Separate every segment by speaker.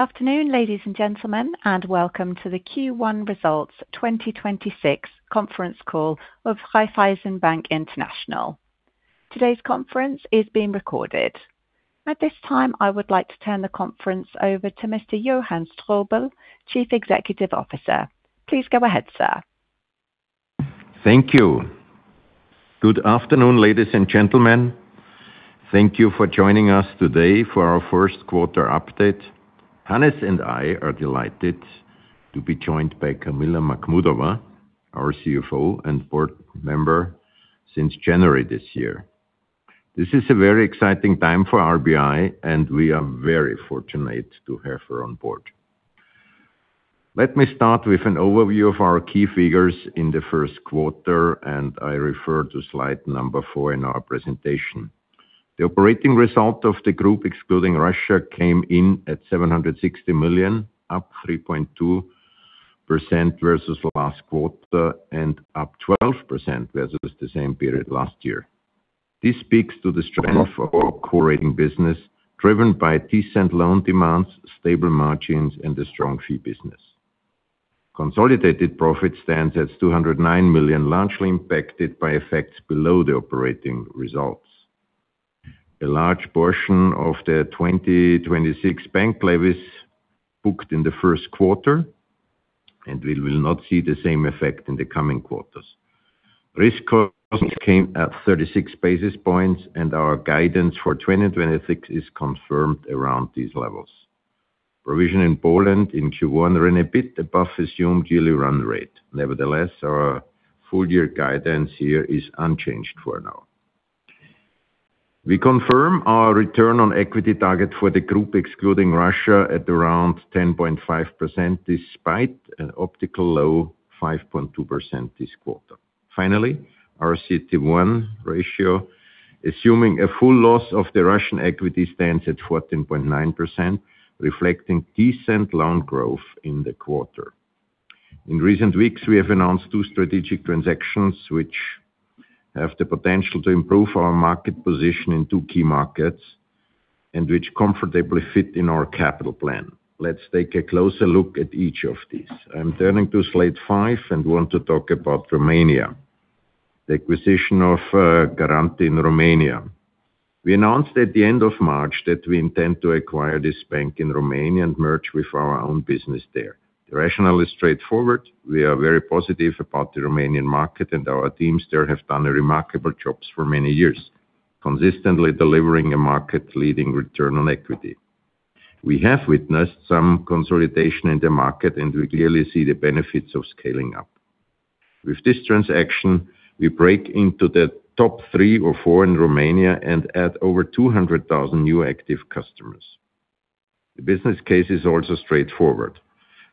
Speaker 1: Afternoon, ladies and gentlemen, welcome to the Q1 results 2026 conference call of Raiffeisen Bank International. Today's conference is being recorded. At this time, I would like to turn the conference over to Mr. Johann Strobl, Chief Executive Officer. Please go ahead, sir.
Speaker 2: Thank you. Good afternoon, ladies and gentlemen. Thank you for joining us today for our first quarter update. Hannes and I are delighted to be joined by Kamila Makhmudova, our CFO and board member since January this year. This is a very exciting time for RBI. We are very fortunate to have her on board. Let me start with an overview of our key figures in the first quarter. I refer to slide four in our presentation. The operating result of the group, excluding Russia, came in at 760 million, up 3.2% versus last quarter and up 12% versus the same period last year. This speaks to the strength of our core banking business, driven by decent loan demands, stable margins, and a strong fee business. Consolidated profit stands at 209 million, largely impacted by effects below the operating results. A large portion of the 2026 bank levies booked in the first quarter. We will not see the same effect in the coming quarters. Risk costs came at 36 basis points. Our guidance for 2026 is confirmed around these levels. Provision in Poland in Q1 ran a bit above assumed yearly run rate. Nevertheless, our full-year guidance here is unchanged for now. We confirm our return on equity target for the group, excluding Russia, at around 10.5%, despite an optical low 5.2% this quarter. Finally, our CET1 ratio, assuming a full loss of the Russian equity, stands at 14.9%, reflecting decent loan growth in the quarter. In recent weeks, we have announced two strategic transactions which have the potential to improve our market position in two key markets and which comfortably fit in our capital plan. Let's take a closer look at each of these. I'm turning to slide five and want to talk about Romania, the acquisition of Garanti in Romania. We announced at the end of March that we intend to acquire this bank in Romania and merge with our own business there. The rationale is straightforward. We are very positive about the Romanian market, and our teams there have done remarkable jobs for many years, consistently delivering a market-leading return on equity. We have witnessed some consolidation in the market, and we clearly see the benefits of scaling up. With this transaction, we break into the top three or four in Romania and add over 200,000 new active customers. The business case is also straightforward.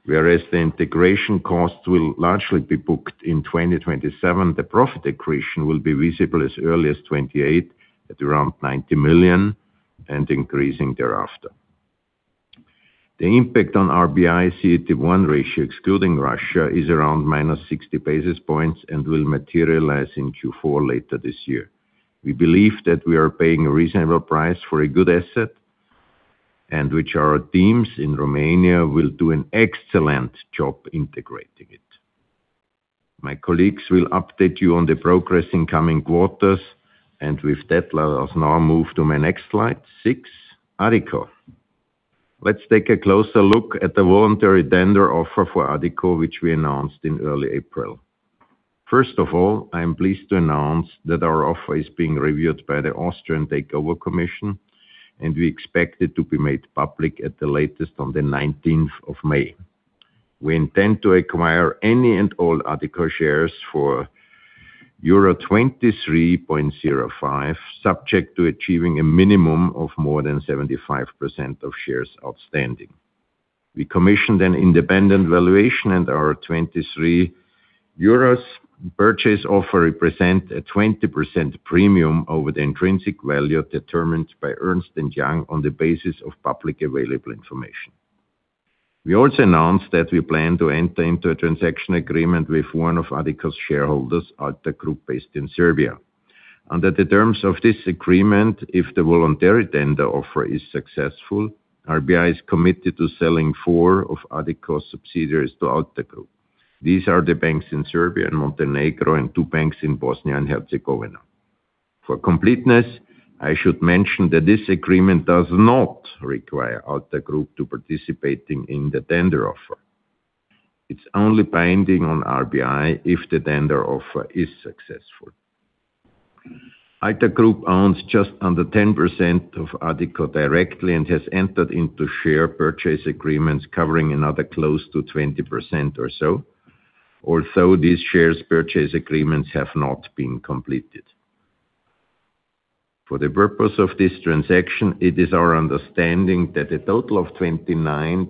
Speaker 2: Whereas the integration costs will largely be booked in 2027, the profit accretion will be visible as early as 2028 at around 90 million and increasing thereafter. The impact on RBI CET1 ratio, excluding Russia, is around -60 basis points and will materialize in Q4 later this year. We believe that we are paying a reasonable price for a good asset, and which our teams in Romania will do an excellent job integrating it. My colleagues will update you on the progress in coming quarters. With that, let us now move to my next slide, six, Addiko. Let's take a closer look at the voluntary tender offer for Addiko, which we announced in early April. First of all, I am pleased to announce that our offer is being reviewed by the Austrian Takeover Commission. We expect it to be made public at the latest on the 19th of May. We intend to acquire any and all Addiko shares for euro 23.05, subject to achieving a minimum of more than 75% of shares outstanding. We commissioned an independent valuation and our 23 euros purchase offer represent a 20% premium over the intrinsic value determined by Ernst & Young on the basis of public available information. We also announced that we plan to enter into a transaction agreement with one of Addiko's shareholders, Alta Group, based in Serbia. Under the terms of this agreement, if the voluntary tender offer is successful, RBI is committed to selling four of Addiko's subsidiaries to Alta Group. These are the banks in Serbia and Montenegro and two banks in Bosnia and Herzegovina. For completeness, I should mention that this agreement does not require Alta Group to participating in the tender offer. It's only binding on RBI if the tender offer is successful. Alta Group owns just under 10% of Addiko directly and has entered into share purchase agreements covering another close to 20% or so. Although these shares purchase agreements have not been completed. For the purpose of this transaction, it is our understanding that a total of 29.59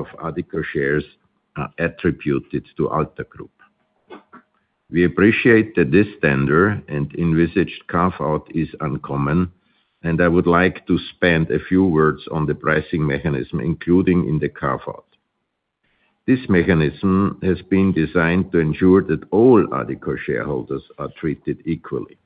Speaker 2: of Addiko shares are attributed to Alta Group. We appreciate that this tender and envisaged carve-out is uncommon, and I would like to spend a few words on the pricing mechanism, including in the carve-out. This mechanism has been designed to ensure that all Addiko shareholders are treated equally.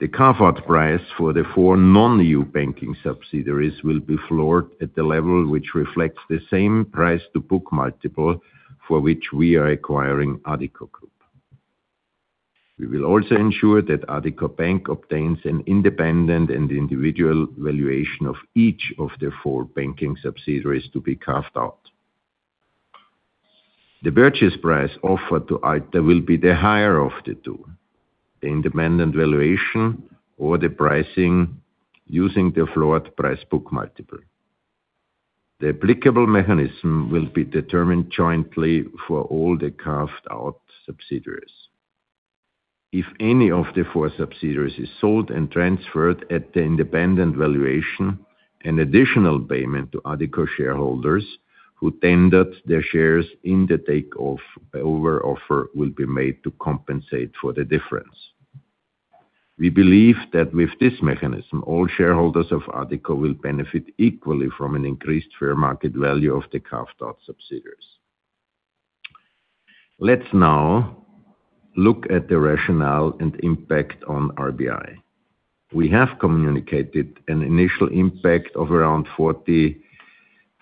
Speaker 2: The carved price for the four non-EU banking subsidiaries will be floored at the level which reflects the same price to book multiple for which we are acquiring Addiko. We will also ensure that Addiko Bank obtains an independent and individual valuation of each of the four banking subsidiaries to be carved out. The purchase price offered to either will be the higher of the two, the independent valuation or the pricing using the floored price book multiple. The applicable mechanism will be determined jointly for all the carved-out subsidiaries. If any of the four subsidiaries is sold and transferred at the independent valuation, an additional payment to Addiko shareholders who tendered their shares in the takeover offer will be made to compensate for the difference. We believe that with this mechanism, all shareholders of Addiko will benefit equally from an increased fair market value of the carved-out subsidiaries. Let's now look at the rationale and impact on RBI. We have communicated an initial impact of around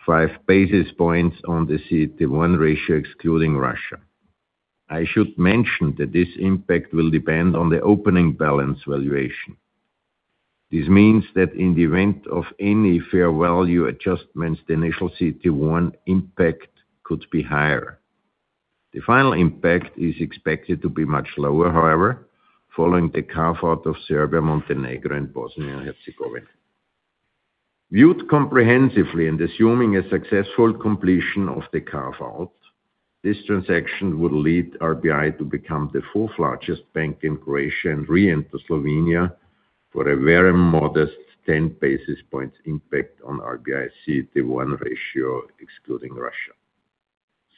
Speaker 2: 45 basis points on the CET1 ratio excluding Russia. I should mention that this impact will depend on the opening balance valuation. This means that in the event of any fair value adjustments, the initial CET1 impact could be higher. The final impact is expected to be much lower, however, following the carve-out of Serbia, Montenegro, and Bosnia and Herzegovina. Viewed comprehensively and assuming a successful completion of the carve-out, this transaction would lead RBI to become the fourth largest bank in Croatia and re-enter Slovenia for a very modest 10 basis points impact on RBI CET1 ratio excluding Russia.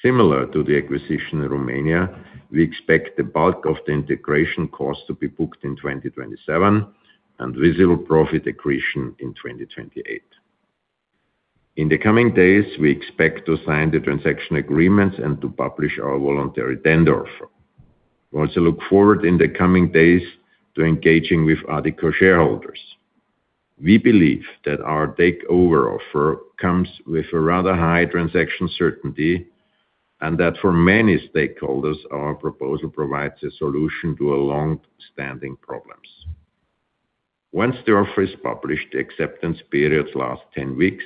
Speaker 2: Similar to the acquisition in Romania, we expect the bulk of the integration cost to be booked in 2027 and visible profit accretion in 2028. In the coming days, we expect to sign the transaction agreements and to publish our voluntary tender offer. We also look forward in the coming days to engaging with Addiko shareholders. We believe that our takeover offer comes with a rather high transaction certainty, and that for many stakeholders, our proposal provides a solution to longstanding problems. Once the offer is published, the acceptance periods last 10 weeks.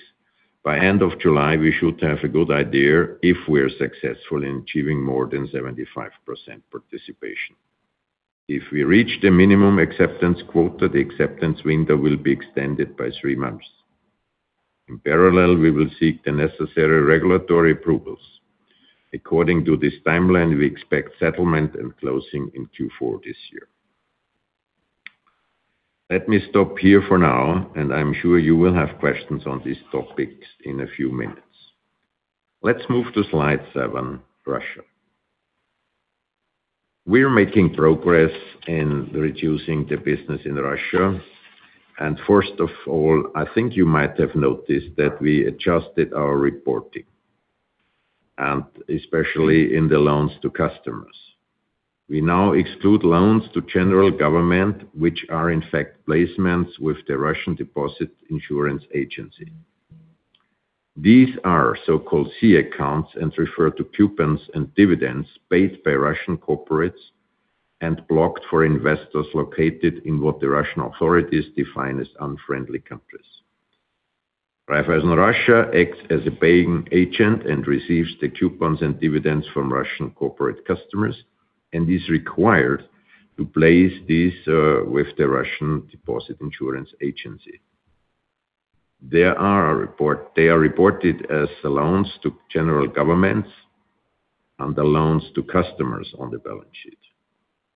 Speaker 2: By end of July, we should have a good idea if we are successful in achieving more than 75% participation. If we reach the minimum acceptance quota, the acceptance window will be extended by three months. In parallel, we will seek the necessary regulatory approvals. According to this timeline, we expect settlement and closing in Q four this year. Let me stop here for now, and I'm sure you will have questions on these topics in a few minutes. Let's move to slide seven, Russia. We are making progress in reducing the business in Russia, and first of all, I think you might have noticed that we adjusted our reporting, and especially in the loans to customers. We now exclude loans to general government, which are in fact placements with the Russian Deposit Insurance Agency. These are so-called C accounts and refer to coupons and dividends paid by Russian corporates and blocked for investors located in what the Russian authorities define as unfriendly countries. Raiffeisen Russia acts as a paying agent and receives the coupons and dividends from Russian corporate customers and is required to place these with the Russian Deposit Insurance Agency. They are reported as loans to general governments and the loans to customers on the balance sheet.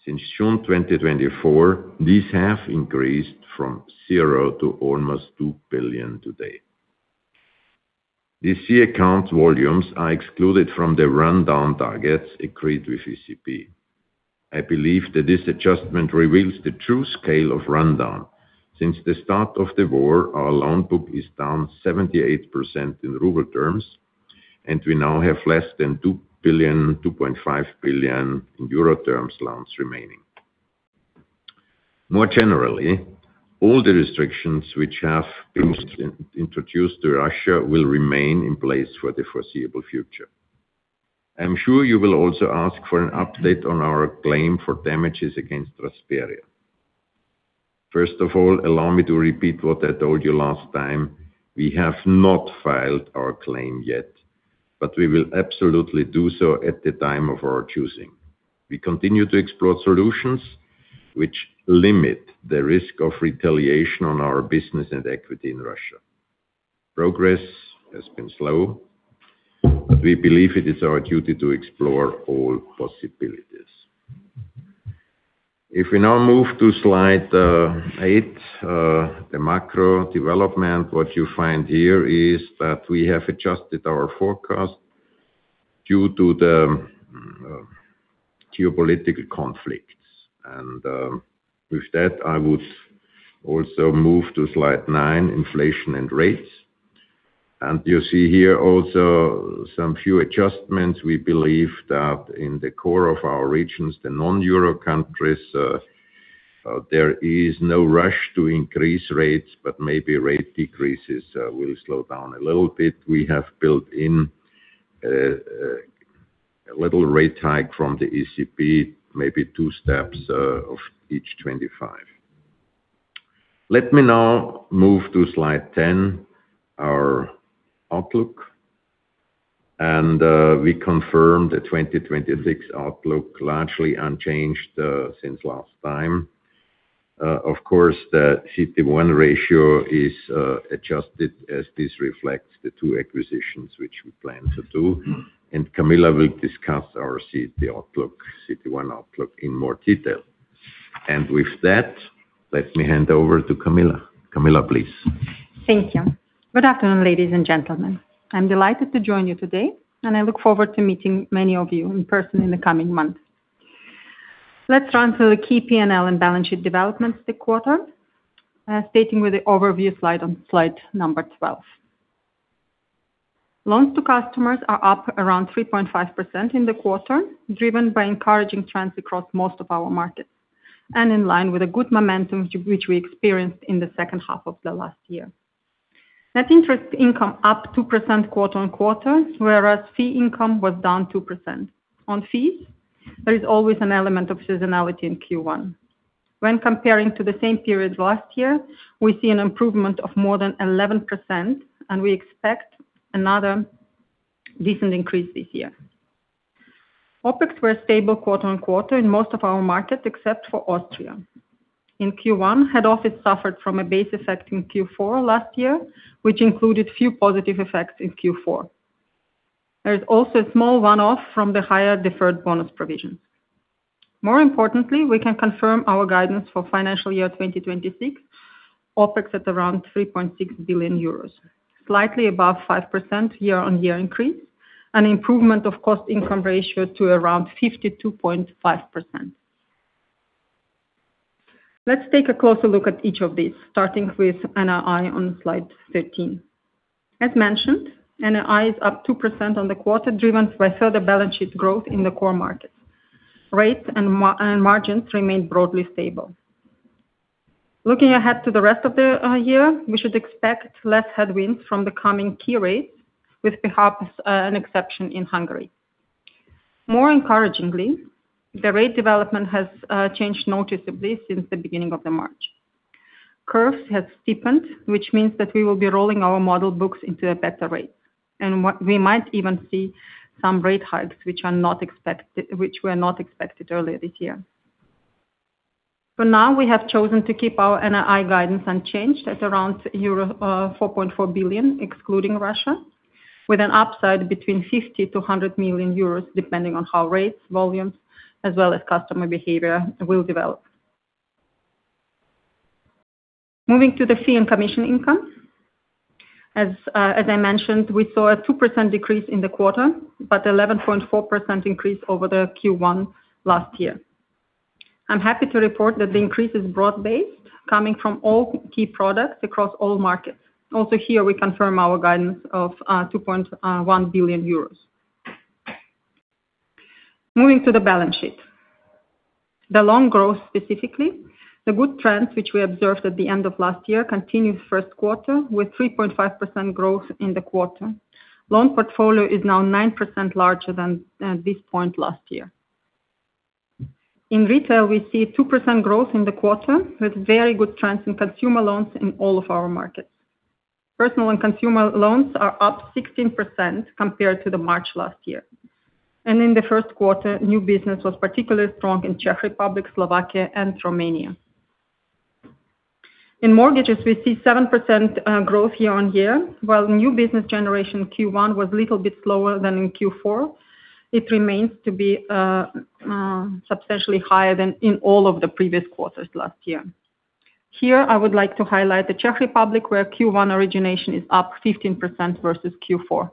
Speaker 2: Since June 2024, these have increased from zero to almost 2 billion today. The Type C accounts volumes are excluded from the rundown targets agreed with ECB. I believe that this adjustment reveals the true scale of rundown. Since the start of the war, our loan book is down 78% in ruble terms, and we now have less than 2 billion, 2.5 billion in euro terms loans remaining. More generally, all the restrictions which have been introduced to Russia will remain in place for the foreseeable future. I'm sure you will also ask for an update on our claim for damages against Rasperia. First of all, allow me to repeat what I told you last time. We have not filed our claim yet, but we will absolutely do so at the time of our choosing. We continue to explore solutions which limit the risk of retaliation on our business and equity in Russia. Progress has been slow, but we believe it is our duty to explore all possibilities. If we now move to slide eight, the macro development, what you find here is that we have adjusted our forecast due to the geopolitical conflicts. With that, I would also move to slide nine, inflation and rates. You see here also some few adjustments. We believe that in the core of our regions, the non-euro countries, there is no rush to increase rates, but maybe rate decreases, will slow down a little bit. We have built in a little rate hike from the ECB, maybe two steps of each 25. Let me now move to slide 10, our outlook. We confirm the 2026 outlook largely unchanged since last time. Of course, the CET1 ratio is adjusted as this reflects the two acquisitions which we plan to do. Kamila will discuss our CET outlook, CET1 outlook in more detail. With that, let me hand over to Kamila. Kamila, please.
Speaker 3: Thank you. Good afternoon, ladies and gentlemen. I'm delighted to join you today, and I look forward to meeting many of you in person in the coming months. Let's run through the key P&L and balance sheet developments this quarter, starting with the overview slide on slide number 12. Loans to customers are up around 3.5% in the quarter, driven by encouraging trends across most of our markets and in line with a good momentum which we experienced in the second half of the last year. Net interest income up 2% quarter-on-quarter, whereas fee income was down 2%. On fees, there is always an element of seasonality in Q1. When comparing to the same period last year, we see an improvement of more than 11%, and we expect another decent increase this year. OpEx were stable quarter-on-quarter in most of our markets, except for Austria. In Q1, head office suffered from a base effect in Q4 last year, which included few positive effects in Q4. There is also a small one-off from the higher deferred bonus provisions. More importantly, we can confirm our guidance for FY 2026 OpEx at around 3.6 billion euros, slightly above 5% year-on-year increase, an improvement of cost-income ratio to around 52.5%. Let's take a closer look at each of these, starting with NII on slide 13. As mentioned, NII is up 2% on the quarter, driven by further balance sheet growth in the core markets. Rates and margins remain broadly stable. Looking ahead to the rest of the year, we should expect less headwinds from the coming key rates, with perhaps an exception in Hungary. More encouragingly, the rate development has changed noticeably since the beginning of March. Curves have steepened, which means that we will be rolling our model books into a better rate, and we might even see some rate hikes, which were not expected earlier this year. For now, we have chosen to keep our NII guidance unchanged at around euro 4.4 billion, excluding Russia, with an upside between 50 million-100 million euros, depending on how rates, volumes, as well as customer behavior will develop. Moving to the fee and commission income. As I mentioned, we saw a 2% decrease in the quarter, but 11.4% increase over the Q1 last year. I'm happy to report that the increase is broad-based, coming from all key products across all markets. Also here, we confirm our guidance of 2.1 billion euros. Moving to the balance sheet. The loan growth, specifically, the good trends which we observed at the end of last year continued first quarter with 3.5% growth in the quarter. Loan portfolio is now 9% larger than at this point last year. In retail, we see 2% growth in the quarter, with very good trends in consumer loans in all of our markets. Personal and consumer loans are up 16% compared to the March last year. In the first quarter, new business was particularly strong in Czech Republic, Slovakia, and Romania. In mortgages, we see 7% growth year-on-year. While new business generation Q1 was a little bit slower than in Q4, it remains to be substantially higher than in all of the previous quarters last year. Here, I would like to highlight the Czech Republic, where Q1 origination is up 15% versus Q4.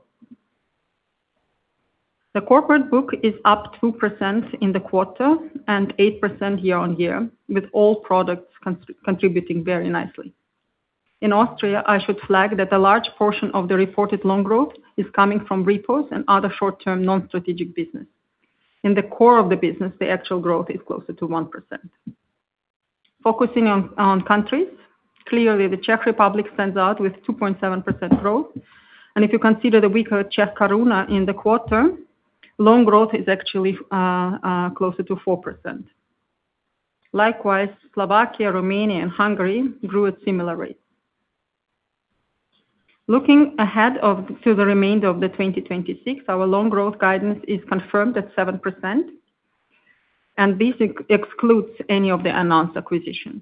Speaker 3: The corporate book is up 2% in the quarter and 8% year-on-year, with all products contributing very nicely. In Austria, I should flag that a large portion of the reported loan growth is coming from repos and other short-term non-strategic business. In the core of the business, the actual growth is closer to 1%. Focusing on countries, clearly, the Czech Republic stands out with 2.7% growth. If you consider the weaker Czech koruna in the quarter, loan growth is actually closer to 4%. Likewise, Slovakia, Romania, and Hungary grew at similar rates. Looking to the remainder of 2026, our loan growth guidance is confirmed at 7%, and this excludes any of the announced acquisitions.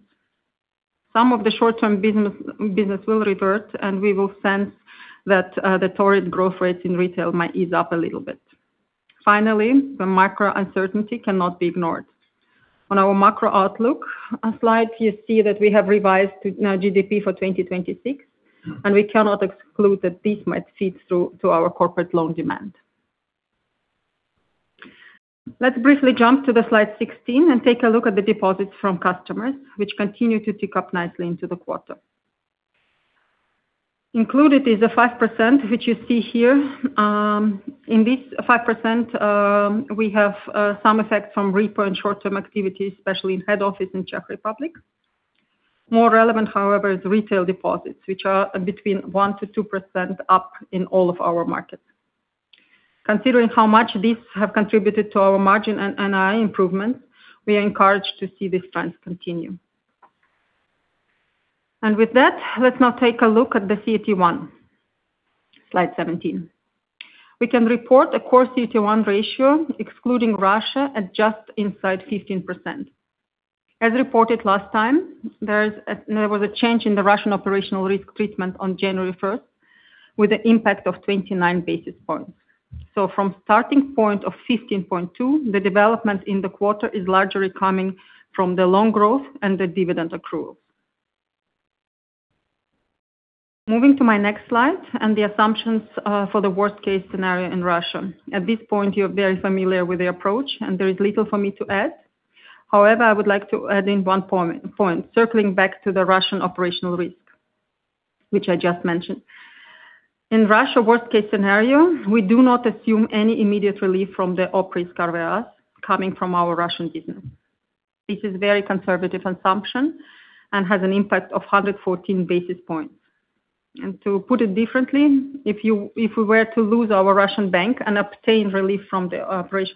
Speaker 3: Some of the short-term business will revert, and we will sense that the torrid growth rates in retail might ease up a little bit. Finally, the macro uncertainty cannot be ignored. On our macro outlook slide, you see that we have revised GDP for 2026, and we cannot exclude that this might feed through to our corporate loan demand. Let's briefly jump to the slide 16 and take a look at the deposits from customers, which continue to tick up nicely into the quarter. Included is the 5%, which you see here. In this 5%, we have some effects from repo and short-term activities, especially in head office in Czech Republic. More relevant, however, is retail deposits, which are between 1%-2% up in all of our markets. Considering how much these have contributed to our margin and NII improvements, we are encouraged to see this trend continue. With that, let's now take a look at the CET1. Slide 17. We can report a core CET1 ratio excluding Russia at just inside 15%. As reported last time, there was a change in the Russian operational risk treatment on January 1st, with the impact of 29 basis points. From starting point of 15.2, the development in the quarter is largely coming from the loan growth and the dividend accrual. Moving to my next slide and the assumptions for the worst case scenario in Russia. At this point, you're very familiar with the approach, and there is little for me to add. However, I would like to add in one point, circling back to the Russian OpRisk, which I just mentioned. In Russia worst case scenario, we do not assume any immediate relief from the OpRisk cover coming from our Russian business. This is very conservative assumption and has an impact of 114 basis points. To put it differently, if we were to lose our Russian bank and obtain relief from the OpRisk,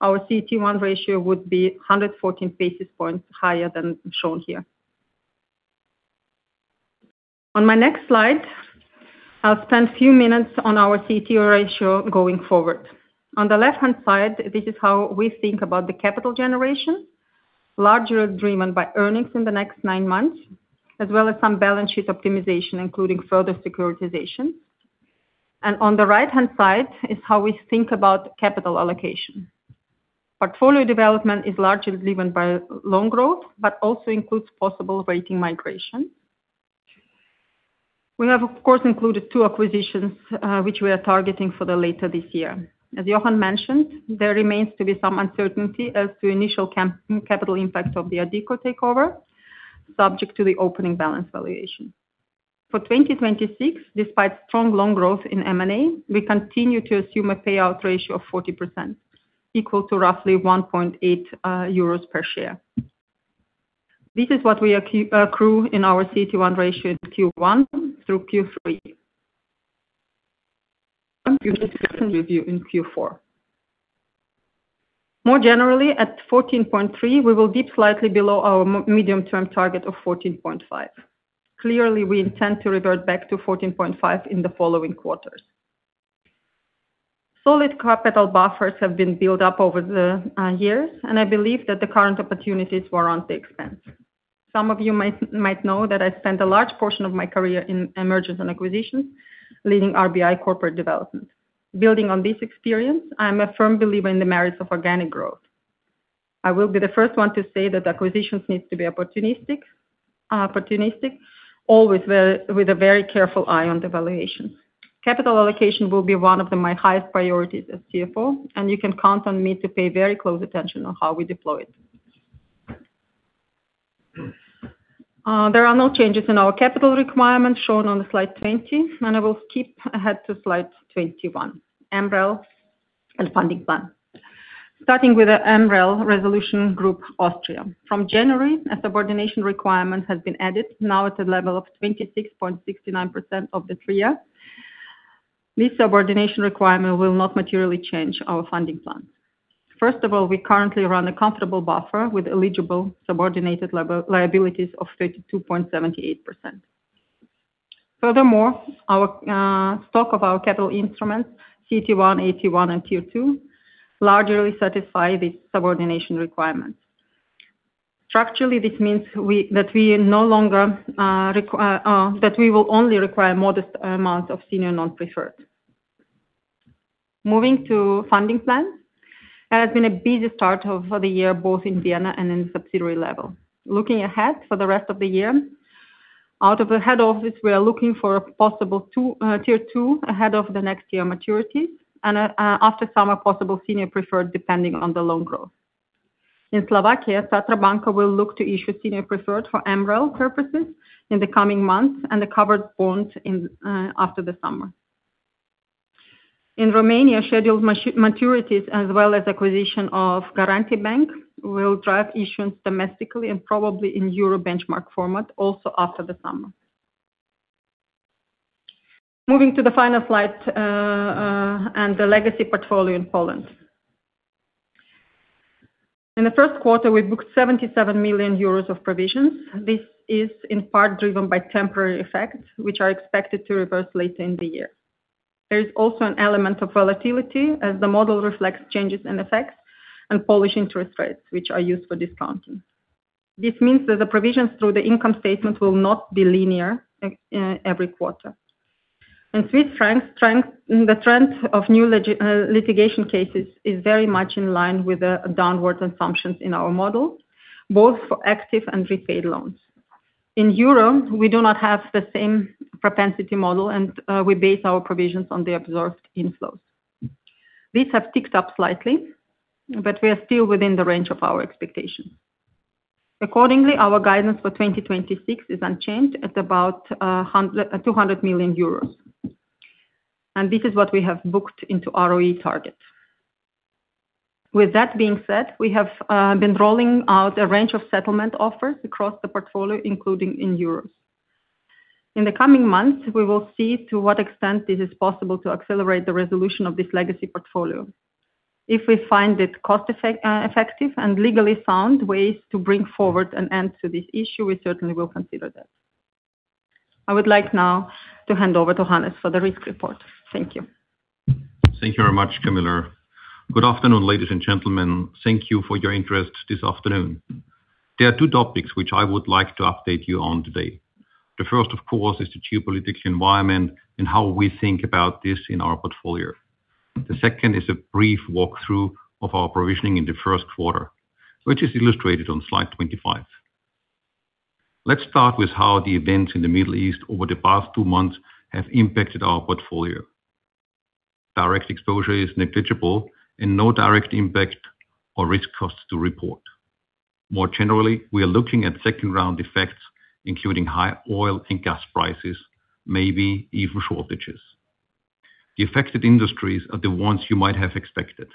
Speaker 3: our CET1 ratio would be 114 basis points higher than shown here. On my next slide, I'll spend a few minutes on our CET1 ratio going forward. On the left-hand side, this is how we think about the capital generation. Largely driven by earnings in the next nine months, as well as some balance sheet optimization, including further securitization. On the right-hand side is how we think about capital allocation. Portfolio development is largely driven by loan growth, but also includes possible rating migration. We have, of course, included two acquisitions, which we are targeting for the later this year. As Johann mentioned, there remains to be some uncertainty as to initial capital impact of the Addiko takeover, subject to the opening balance valuation. For 2026, despite strong loan growth in M&A, we continue to assume a payout ratio of 40%, equal to roughly 1.8 euros per share. This is what we accrue in our CET1 ratio in Q1 through Q3. You need to review in Q4. More generally, at 14.3, we will dip slightly below our medium-term target of 14.5. Clearly, we intend to revert back to 14.5 in the following quarters. Solid capital buffers have been built up over the years, and I believe that the current opportunities warrants the expense. Some of you might know that I spent a large portion of my career in mergers and acquisitions, leading RBI corporate development. Building on this experience, I'm a firm believer in the merits of organic growth. I will be the first one to say that acquisitions needs to be opportunistic, always with a very careful eye on the valuation. Capital allocation will be one of the my highest priorities as CFO, and you can count on me to pay very close attention on how we deploy it. There are no changes in our capital requirements shown on slide 20, and I will skip ahead to slide 21, MREL and funding plan. Starting with the MREL resolution group Austria. From January, a subordination requirement has been added, now at a level of 26.69% of the TREA. This subordination requirement will not materially change our funding plan. First of all, we currently run a comfortable buffer with eligible subordinated liabilities of 32.78%. Furthermore, our stock of our capital instruments, CET1, AT1, and Tier 2, largely satisfy the subordination requirements. Structurally, this means that we no longer that we will only require modest amounts of senior non-preferred. Moving to funding plan. It has been a busy start of the year, both in Vienna and in subsidiary level. Looking ahead for the rest of the year, out of the head office, we are looking for a possible two Tier 2 ahead of the next year maturity and a after summer possible Senior Preferred depending on the loan growth. In Slovakia, Tatra banka will look to issue Senior Preferred for MREL purposes in the coming months and the covered bonds in after the summer. In Romania, scheduled maturities as well as acquisition of Garanti Bank will drive issuance domestically and probably in euro benchmark format also after the summer. Moving to the final slide and the legacy portfolio in Poland. In the first quarter, we booked 77 million euros of provisions. This is in part driven by temporary effects, which are expected to reverse later in the year. There is also an element of volatility as the model reflects changes in effects and Polish interest rates, which are used for discounting. This means that the provisions through the income statement will not be linear every quarter. In Swiss franc, the trend of new litigation cases is very much in line with the downward assumptions in our model, both for active and prepaid loans. In Europe, we do not have the same propensity model, and we base our provisions on the observed inflows. These have ticked up slightly, but we are still within the range of our expectations. Accordingly, our guidance for 2026 is unchanged at about 200 million euros. This is what we have booked into ROE targets. With that being said, we have been rolling out a range of settlement offers across the portfolio, including in Europe. In the coming months, we will see to what extent it is possible to accelerate the resolution of this legacy portfolio. If we find it cost effective and legally sound ways to bring forward an end to this issue, we certainly will consider that. I would like now to hand over to Hannes for the risk report. Thank you.
Speaker 4: Thank you very much, Kamila. Good afternoon, ladies and gentlemen. Thank you for your interest this afternoon. There are two topics which I would like to update you on today. The first, of course, is the geopolitics environment and how we think about this in our portfolio. The second is a brief walkthrough of our provisioning in the first quarter, which is illustrated on slide 25. Let's start with how the events in the Middle East over the past two months have impacted our portfolio. Direct exposure is negligible and no direct impact or risk costs to report. More generally, we are looking at second-round effects, including high oil and gas prices, maybe even shortages. The affected industries are the ones you might have expected.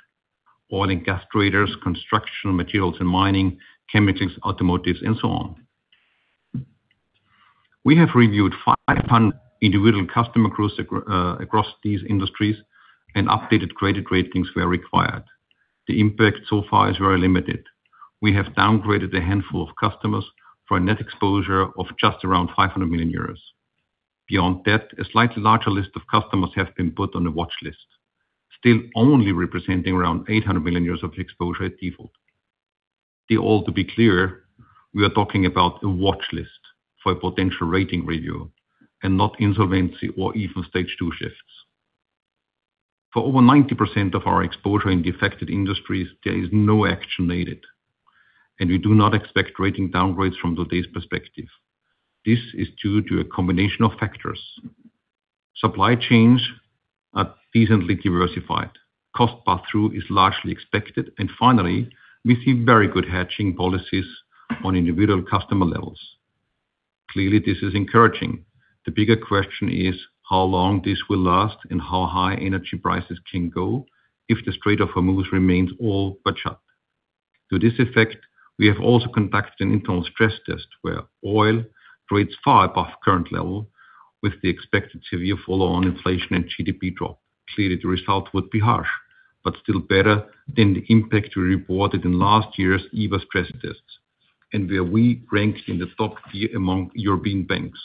Speaker 4: Oil and gas traders, construction materials and mining, chemicals, automotives and so on. We have reviewed 500 individual customer across these industries and updated credit ratings where required. The impact so far is very limited. We have downgraded a handful of customers for a net exposure of just around 500 million euros. A slightly larger list of customers have been put on a watchlist, still only representing around 800 million of exposure at default. To be clear, we are talking about a watchlist for a potential rating review and not insolvency or even Stage 2 shifts. For over 90% of our exposure in the affected industries, there is no action needed, and we do not expect rating downgrades from today's perspective. This is due to a combination of factors. Supply chains are decently diversified. Cost passthrough is largely expected. Finally, we see very good hedging policies on individual customer levels. Clearly, this is encouraging. The bigger question is how long this will last and how high energy prices can go if the Strait of Hormuz remains all but shut. To this effect, we have also conducted an internal stress test where oil trades far above current level with the expected severe follow-on inflation and GDP drop. Clearly, the result would be harsh, but still better than the impact we reported in last year's EBA stress tests, and where we ranked in the top-tier among European banks.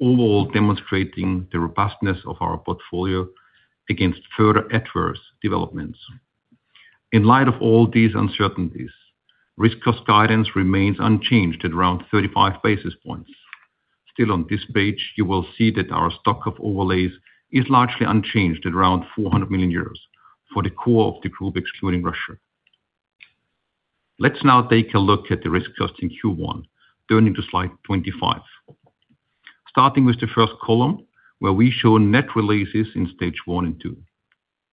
Speaker 4: Overall demonstrating the robustness of our portfolio against further adverse developments. In light of all these uncertainties, risk cost guidance remains unchanged at around 35 basis points. Still on this page, you will see that our stock of overlays is largely unchanged at around 400 million euros for the core of the group, excluding Russia. Let's now take a look at the risk cost in Q1, turning to slide 25. Starting with the first column, where we show net releases in Stage 1 and 2.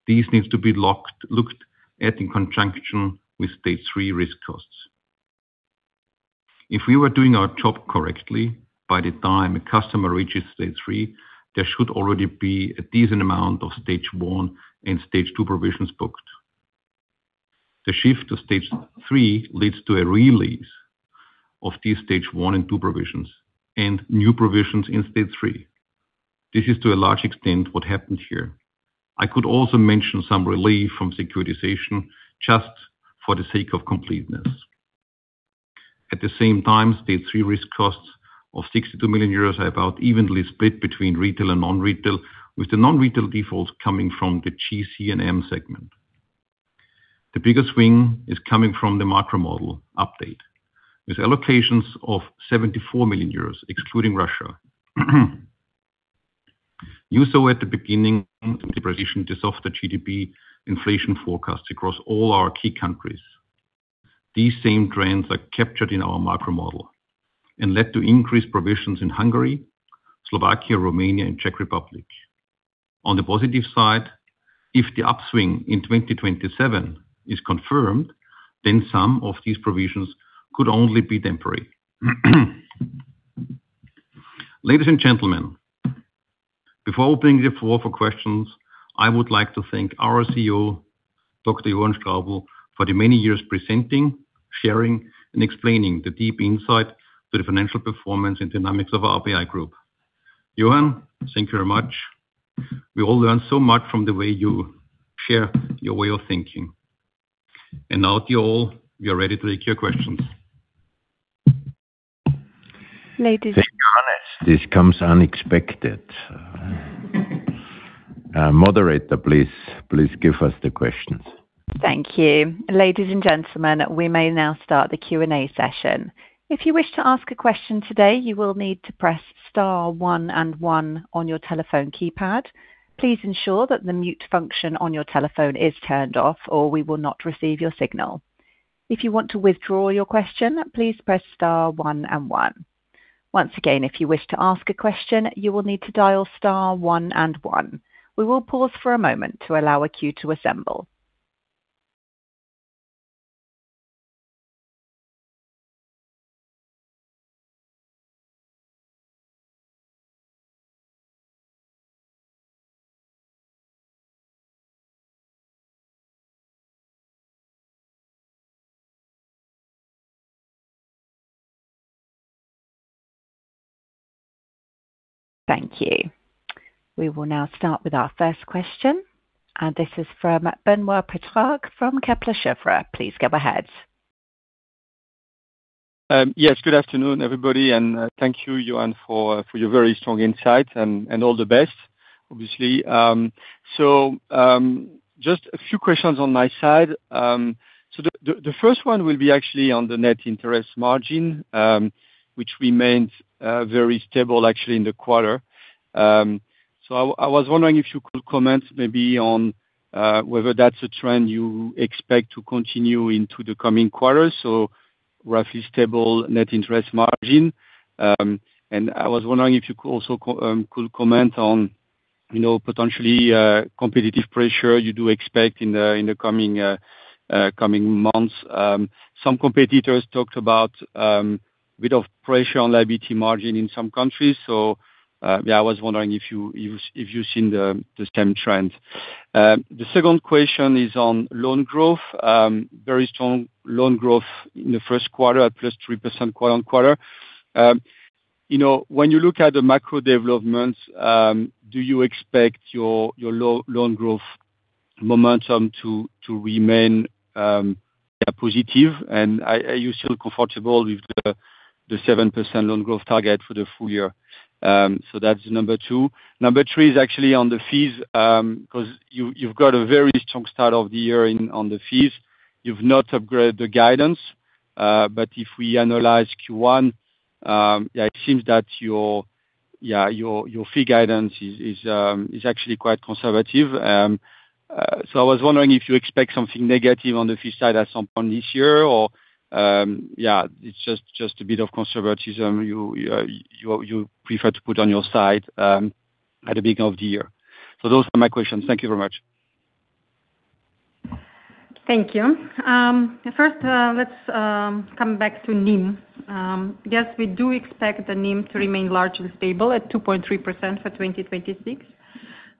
Speaker 4: These needs to be looked at in conjunction with Stage 3 risk costs. If we were doing our job correctly, by the time a customer reaches Stage 3, there should already be a decent amount of Stage 1 and Stage 2 provisions booked. The shift to Stage 3 leads to a release of these Stage 1 and 2 provisions and new provisions in Stage 3. This is to a large extent what happened here. I could also mention some relief from securitization just for the sake of completeness. At the same time, Stage 3 risk costs of 62 million euros are about evenly split between retail and non-retail, with the non-retail defaults coming from the GC&M segment. The biggest swing is coming from the macro model update, with allocations of 74 million euros, excluding Russia. You saw at the beginning the provision to softer GDP inflation forecast across all our key countries. These same trends are captured in our macro model and led to increased provisions in Hungary, Slovakia, Romania and Czech Republic. On the positive side, if the upswing in 2027 is confirmed, some of these provisions could only be temporary. Ladies and gentlemen, before opening the floor for questions, I would like to thank our CEO, Dr. Johann Strobl, for the many years presenting, sharing and explaining the deep insight to the financial performance and dynamics of our RBI group. Johann, thank you very much. We all learn so much from the way you share your way of thinking. Now to you all, we are ready to take your questions.
Speaker 1: Ladies and-
Speaker 2: Thank you, Hannes. This comes unexpected. Moderator, please give us the questions.
Speaker 1: Thank you. Ladies and gentlemen, we may now start the Q&A session. If you wish to ask a question today, you will need to press star one and one on your telephone keypad. Please ensure that the mute function on your telephone is turned off, or we will not receive your signal. If you want to withdraw your question, please press star one and one. Once again, if you wish to ask a question, you will need to dial star one and one. We will pause for a moment to allow a queue to assemble. Thank you. We will now start with our first question, and this is from Benoit Pétrarque from Kepler Cheuvreux. Please go ahead.
Speaker 5: Yes, good afternoon, everybody, thank you, Johann, for your very strong insight, and all the best, obviously. Just a few questions on my side. The first one will be actually on the net interest margin, which remains very stable actually in the quarter. I was wondering if you could comment maybe on whether that's a trend you expect to continue into the coming quarters, so roughly stable net interest margin. I was wondering if you could also comment on, you know, potentially, competitive pressure you do expect in the coming months. Some competitors talked about bit of pressure on liability margin in some countries. Yeah, I was wondering if you've seen the same trend. The second question is on loan growth. Very strong loan growth in the first quarter at +3% quarter-on-quarter. You know, when you look at the macro developments, do you expect your loan growth momentum to remain positive? Are you still comfortable with the 7% loan growth target for the full year? That's number two. Number three is actually on the fees, because you've got a very strong start of the year on the fees. You've not upgraded the guidance, if we analyze Q1, it seems that your fee guidance is actually quite conservative. I was wondering if you expect something negative on the fee side at some point this year or just a bit of conservatism you prefer to put on your side at the beginning of the year? Those are my questions. Thank you very much.
Speaker 3: Thank you. First, let's come back to NIM. Yes, we do expect the NIM to remain largely stable at 2.3% for 2026.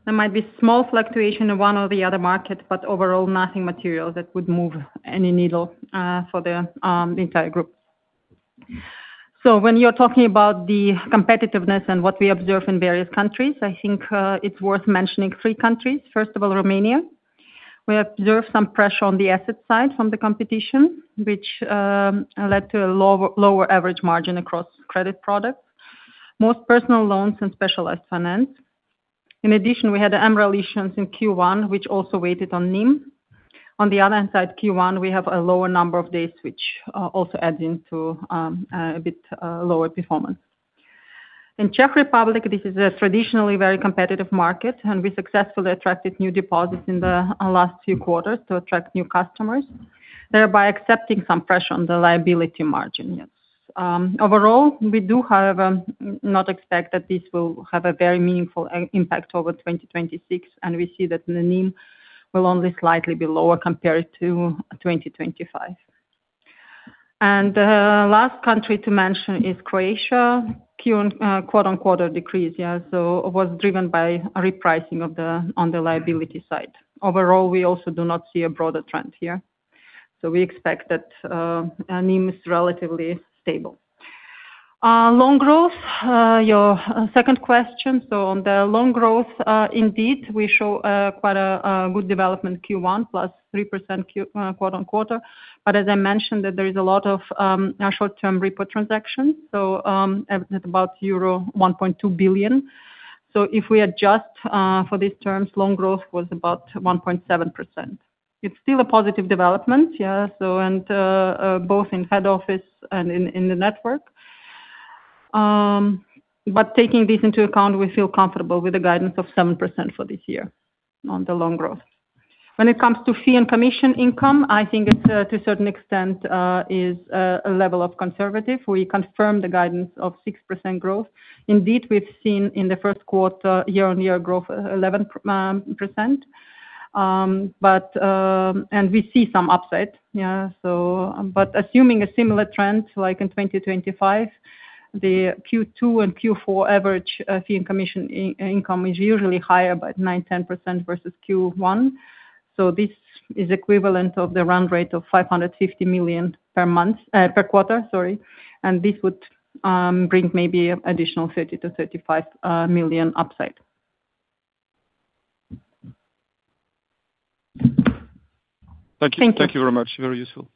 Speaker 3: There might be small fluctuation in one or the other market, but overall, nothing material that would move any needle for the entire group. When you're talking about the competitiveness and what we observe in various countries, I think it's worth mentioning three countries. First of all, Romania. We observe some pressure on the asset side from the competition, which led to a lower average margin across credit products, most personal loans and specialized finance. In addition, we had MREL issuance in Q1, which also waited on NIM. On the other hand side, Q1, we have a lower number of days, which also adds into a bit lower performance. In Czech Republic, this is a traditionally very competitive market, and we successfully attracted new deposits in the last few quarters to attract new customers, thereby accepting some pressure on the liability margin, yes. Overall, we do, however, not expect that this will have a very meaningful impact over 2026, and we see that the NIM will only slightly be lower compared to 2025. The last country to mention is Croatia. Quarter-on-quarter decrease, yeah, was driven by a repricing of the, on the liability side. Overall, we also do not see a broader trend here. We expect that NIM is relatively stable. Loan growth, your second question. On the loan growth, indeed, we show quite a good development Q1, +3% quarter-on-quarter. As I mentioned, that there is a lot of short-term repo transactions, at about euro 1.2 billion. If we adjust for these terms, loan growth was about 1.7%. It's still a positive development, both in head office and in the network. Taking this into account, we feel comfortable with the guidance of 7% for this year on the loan growth. When it comes to fee and commission income, I think it's to a certain extent a level of conservative. We confirm the guidance of 6% growth. Indeed, we've seen in the first quarter year-on-year growth 11%. We see some upside. Assuming a similar trend, like in 2025, the Q2 and Q4 average fee and commission income is usually higher by 9%-10% versus Q1. This is equivalent of the run rate of 550 million per quarter. This would bring maybe additional 30 million-35 million upside.
Speaker 5: Thank you very much. Very useful.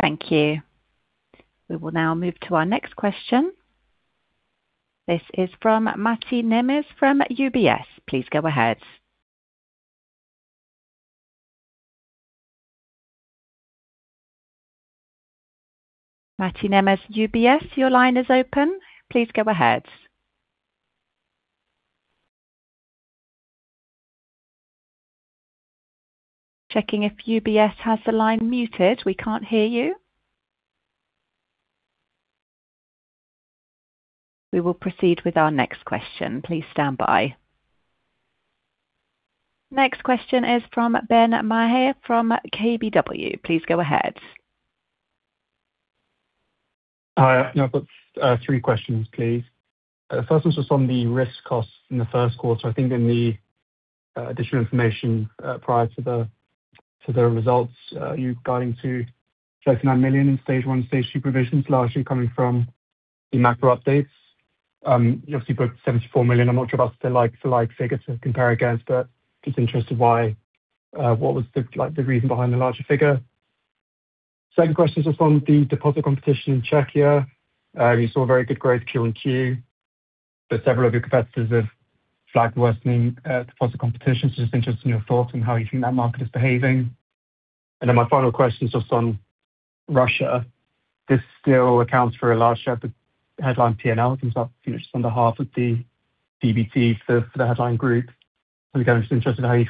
Speaker 1: Thank you. We will now move to our next question. This is from Mate Nemes from UBS. Please go ahead. Mate Nemes, UBS, your line is open. Please go ahead. Checking if UBS has the line muted. We can't hear you. We will proceed with our next question. Please stand by. Next question is from Ben Maher from KBW. Please go ahead.
Speaker 6: Hi. I've got three questions, please. The 1st one's just on the risk costs in the first quarter. I think in the additional information, prior to the results, you've got into 39 million in Stage 1, Stage 2 provisions, largely coming from the macro updates. You obviously booked 74 million. I'm not sure about the like, the like figures to compare against, but just interested why what was the, like the reason behind the larger figure? Second question is just on the deposit competition in Czechia. We saw a very good growth Q and Q, but several of your competitors have flagged worsening deposit competition. Just interested in your thoughts on how you think that market is behaving. My final question is just on Russia. This still accounts for a large share of the headline P&L, it comes up, you know, just under half of the PBT for the headline group. Again, just interested in how you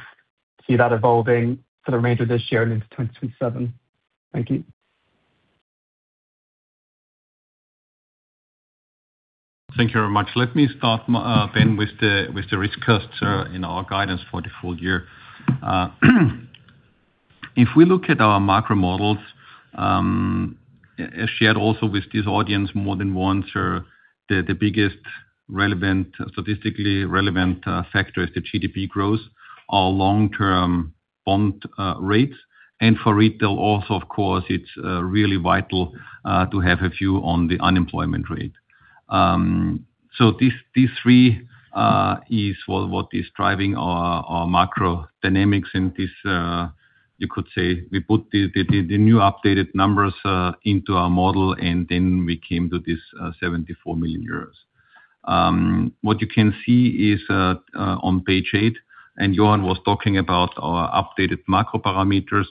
Speaker 6: see that evolving for the remainder of this year and into 2027. Thank you.
Speaker 4: Thank you very much. Let me start, Ben, with the risk costs in our guidance for the full year. If we look at our macro models, as shared also with this audience more than once, the biggest relevant, statistically relevant, factor is the GDP growth or long-term bond rates. For retail also, of course, it's really vital to have a view on the unemployment rate. These three is what is driving our macro dynamics. This you could say we put the new updated numbers into our model and then we came to this 74 million euros. What you can see is on page page, Johann was talking about our updated macro parameters.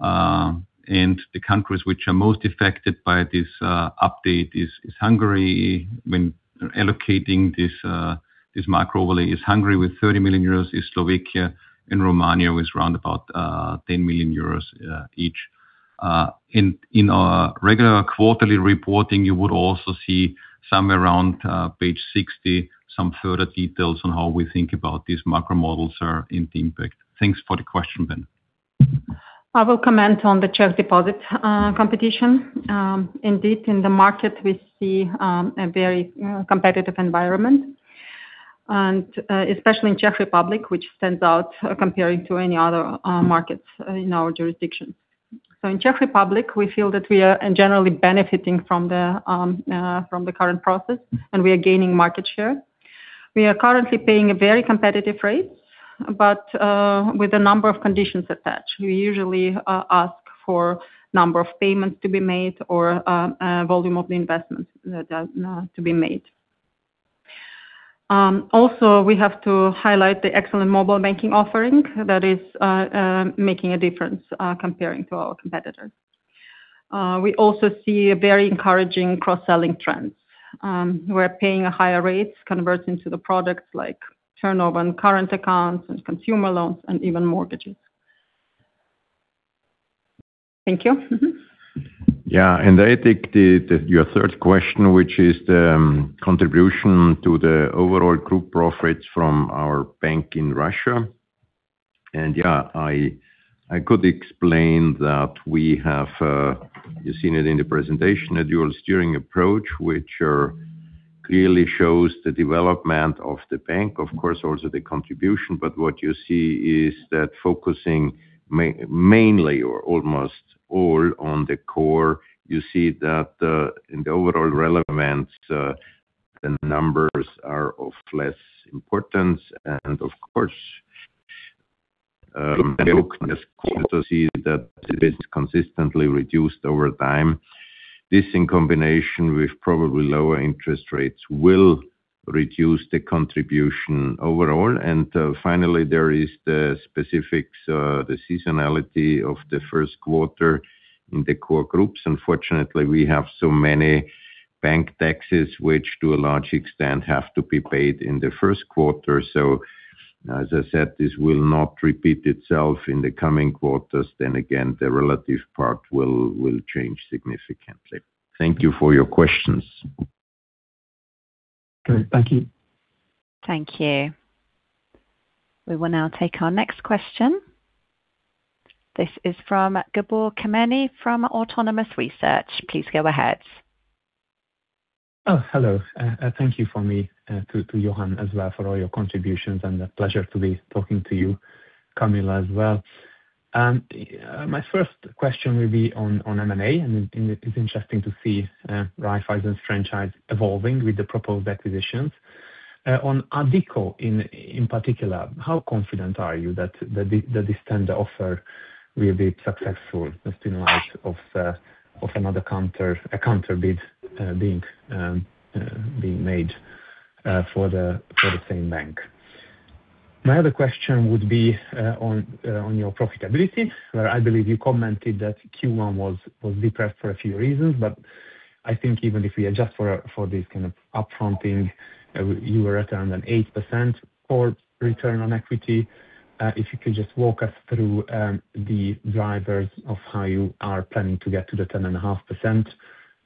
Speaker 4: The countries which are most affected by this update is Hungary. When allocating this macro really is Hungary with 30 million euros, is Slovakia and Romania with round about 10 million euros each. In our regular quarterly reporting, you would also see somewhere around page 60 some further details on how we think about these macro models are in impact. Thanks for the question, Ben.
Speaker 3: I will comment on the Czech deposit competition. Indeed in the market we see a very competitive environment and especially in Czech Republic, which stands out comparing to any other markets in our jurisdiction. In Czech Republic, we feel that we are in generally benefiting from the current process, and we are gaining market share. We are currently paying a very competitive rate, but with a number of conditions attached. We usually ask for number of payments to be made or a volume of the investment that to be made. Also, we have to highlight the excellent mobile banking offering that is making a difference comparing to our competitors. We also see a very encouraging cross-selling trends. We're paying higher rates converting to the products like turnover and current accounts and consumer loans and even mortgages. Thank you.
Speaker 2: Yeah. I take the Your third question, which is the contribution to the overall group profits from our bank in Russia. Yeah, I could explain that we have, you've seen it in the presentation, a dual steering approach, which clearly shows the development of the bank, of course, also the contribution. But what you see is that focusing mainly or almost all on the core, you see that in the overall relevance, the numbers are of less importance. Of course, you also see that it is consistently reduced over time. This, in combination with probably lower interest rates, will reduce the contribution overall. Finally, there is the specifics, the seasonality of the first quarter in the core groups. Unfortunately, we have so many bank taxes which to a large extent have to be paid in the first quarter. As I said, this will not repeat itself in the coming quarters. Again, the relative part will change significantly. Thank you for your questions.
Speaker 6: Great. Thank you.
Speaker 1: Thank you. We will now take our next question. This is from Gabor Kemeny from Autonomous Research. Please go ahead.
Speaker 7: Oh, hello. Thank you for me, to Johann as well for all your contributions, and a pleasure to be talking to you, Kamila, as well. My first question will be on M&A, and it is interesting to see Raiffeisen's franchise evolving with the proposed acquisitions. On Addiko in particular, how confident are you that the standard offer will be successful just in light of another counter bid being made for the same bank? My other question would be on your profitability, where I believe you commented that Q1 was depressed for a few reasons. I think even if we adjust for this kind of upfronting, you were at around an 8% core return on equity. If you could just walk us through the drivers of how you are planning to get to the 10.5%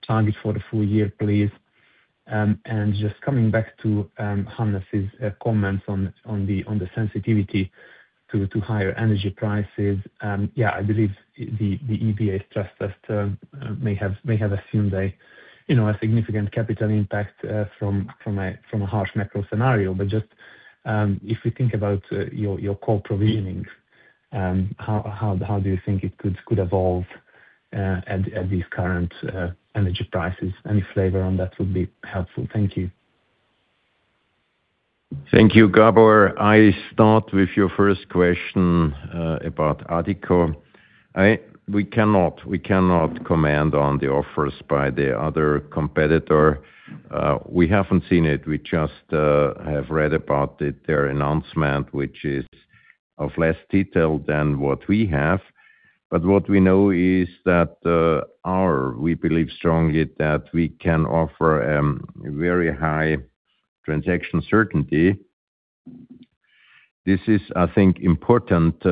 Speaker 7: target for the full year, please. Just coming back to Hannes' comments on the sensitivity to higher energy prices. I believe the EBA stress test may have assumed a, you know, a significant capital impact from a harsh macro scenario. Just if we think about your core provisionings, how do you think it could evolve at these current energy prices? Any flavor on that would be helpful. Thank you.
Speaker 2: Thank you, Gabor. I start with your first question about Addiko. We cannot comment on the offers by the other competitor. We haven't seen it. We just have read about it, their announcement, which is of less detail than what we have. What we know is that we believe strongly that we can offer very high transaction certainty. This is, I think, important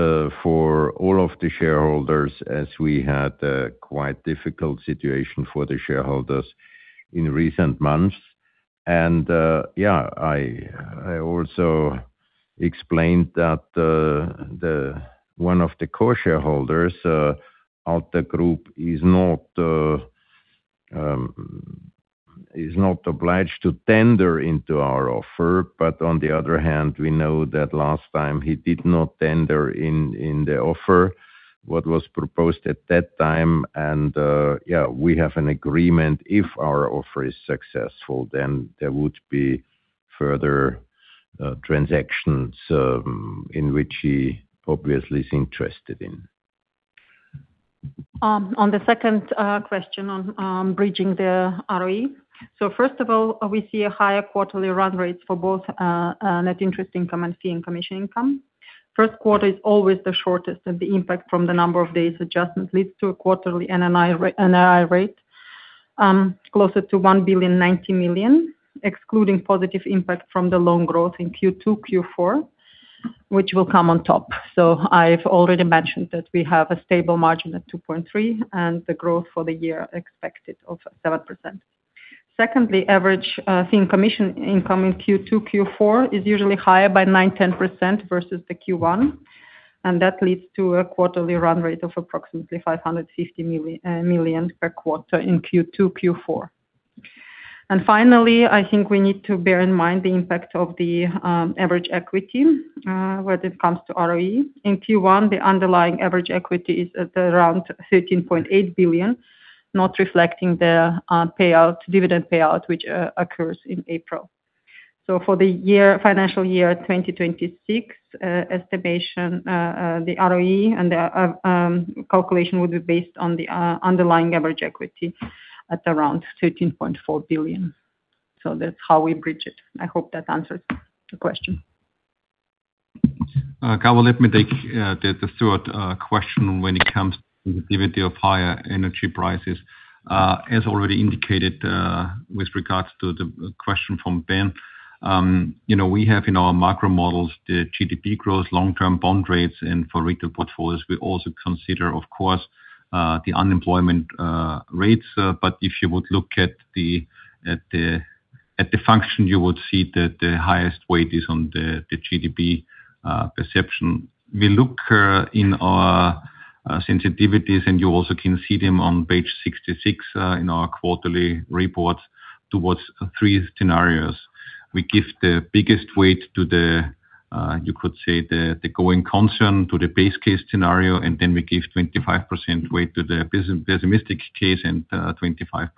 Speaker 2: for all of the shareholders as we had quite difficult situation for the shareholders in recent months. I also explained that one of the core shareholders, Alta Group, is not obliged to tender into our offer. On the other hand, we know that last time he did not tender in the offer what was proposed at that time. Yeah, we have an agreement if our offer is successful, then there would be further transactions, in which he obviously is interested in.
Speaker 3: On the second question on bridging the ROE. First of all, we see a higher quarterly run rates for both net interest income and fee and commission income. First quarter is always the shortest, and the impact from the number of days adjustment leads to a quarterly NII rate closer to 1.09 billion, excluding positive impact from the loan growth in Q2, Q4, which will come on top. I've already mentioned that we have a stable margin at 2.3% and the growth for the year expected of 7%. Secondly, average fee and commission income in Q2, Q4 is usually higher by 9%-10% versus the Q1, and that leads to a quarterly run rate of approximately 550 million per quarter in Q2, Q4. Finally, I think we need to bear in mind the impact of the average equity when it comes to ROE. In Q1, the underlying average equity is at around 13.8 billion, not reflecting the payout, dividend payout, which occurs in April. For the year, financial year 2026, estimation, the ROE and the calculation would be based on the underlying average equity at around 13.4 billion. That's how we bridge it. I hope that answers the question.
Speaker 4: Gabor, let me take the third question when it comes to the activity of higher energy prices. As already indicated, with regards to the question from Ben, you know, we have in our macro models the GDP growth, long-term bond rates, and for retail portfolios, we also consider, of course, the unemployment rates. If you would look at the function, you would see that the highest weight is on the GDP perception. We look in our sensitivities, and you also can see them on page 66 in our quarterly report towards three scenarios. We give the biggest weight to the, you could say the going concern to the base case scenario, we give 25% weight to the pessimistic case and 25%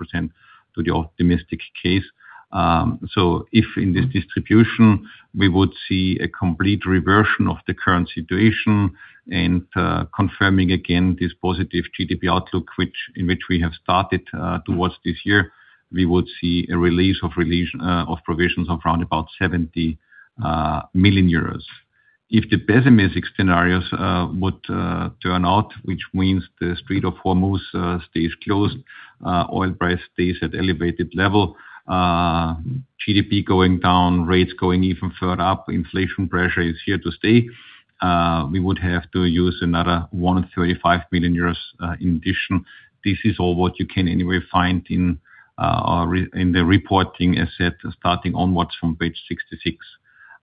Speaker 4: to the optimistic case. If in this distribution, we would see a complete reversion of the current situation and confirming again this positive GDP outlook, in which we have started towards this year, we would see a release of provisions of around about 70 million euros. If the pessimistic scenarios would turn out, which means the Strait of Hormuz stays closed, oil price stays at elevated level, GDP going down, rates going even further up, inflation pressure is here to stay, we would have to use another 135 million euros in addition. This is all what you can anyway find in our reporting asset, starting onwards from page 66.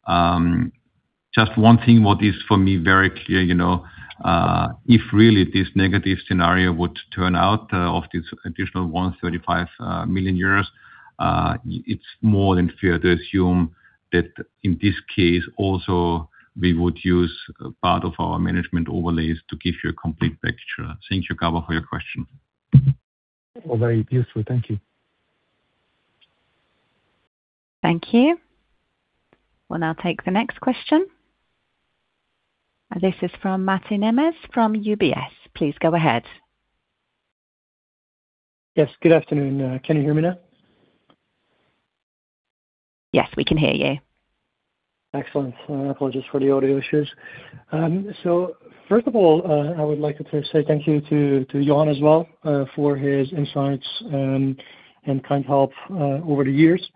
Speaker 4: Just one thing, what is for me very clear, you know, if really this negative scenario would turn out of this additional 135 million euros, it's more than fair to assume that in this case also, we would use part of our management overlays to give you a complete picture. Thank you, Gabor, for your question.
Speaker 7: Very useful. Thank you.
Speaker 1: Thank you. We'll now take the next question. This is from Mate Nemes from UBS. Please go ahead.
Speaker 8: Yes. Good afternoon. Can you hear me now?
Speaker 1: Yes, we can hear you.
Speaker 8: Excellent. Apologies for the audio issues. First of all, I would like to say thank you to Johann as well, for his insights, and kind help over the years.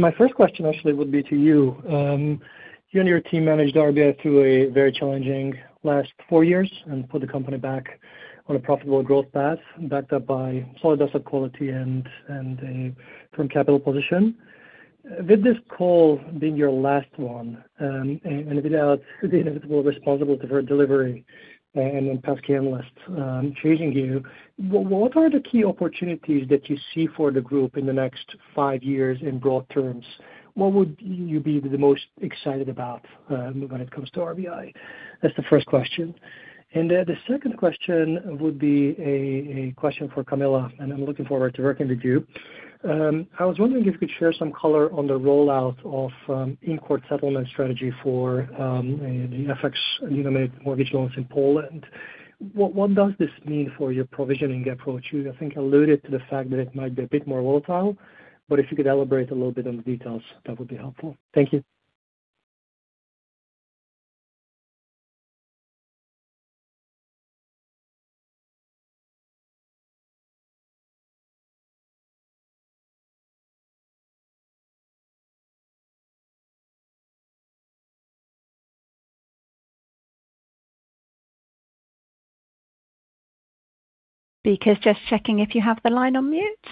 Speaker 8: My first question actually would be to you. You and your team managed RBI through a very challenging last four years and put the company back on a profitable growth path, backed up by solid asset quality and a firm capital position. With this call being your last one, and without the inevitable responsible for delivery past analysts chasing you, what are the key opportunities that you see for the group in the next five years in broad terms? What would you be the most excited about when it comes to RBI? That's the first question. The second question would be a question for Kamila, and I am looking forward to working with you. I was wondering if you could share some color on the rollout of in-court settlement strategy for the FX unlimited mortgage loans in Poland. What does this mean for your provisioning approach? You, I think, alluded to the fact that it might be a bit more volatile, but if you could elaborate a little bit on the details, that would be helpful. Thank you.
Speaker 1: Speaker's just checking if you have the line on mute.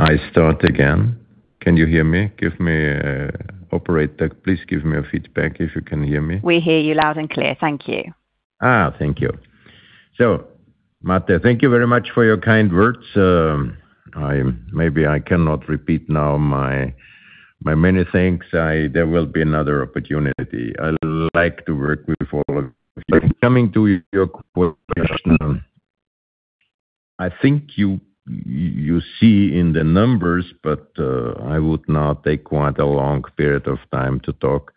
Speaker 2: I start again. Can you hear me? Give me, operator, please give me a feedback if you can hear me.
Speaker 1: We hear you loud and clear. Thank you.
Speaker 2: Thank you. Mate, thank you very much for your kind words. maybe I cannot repeat now my many thanks. There will be another opportunity. I like to work with all of you. Coming to your question, I think you see in the numbers, but I would now take quite a long period of time to talk.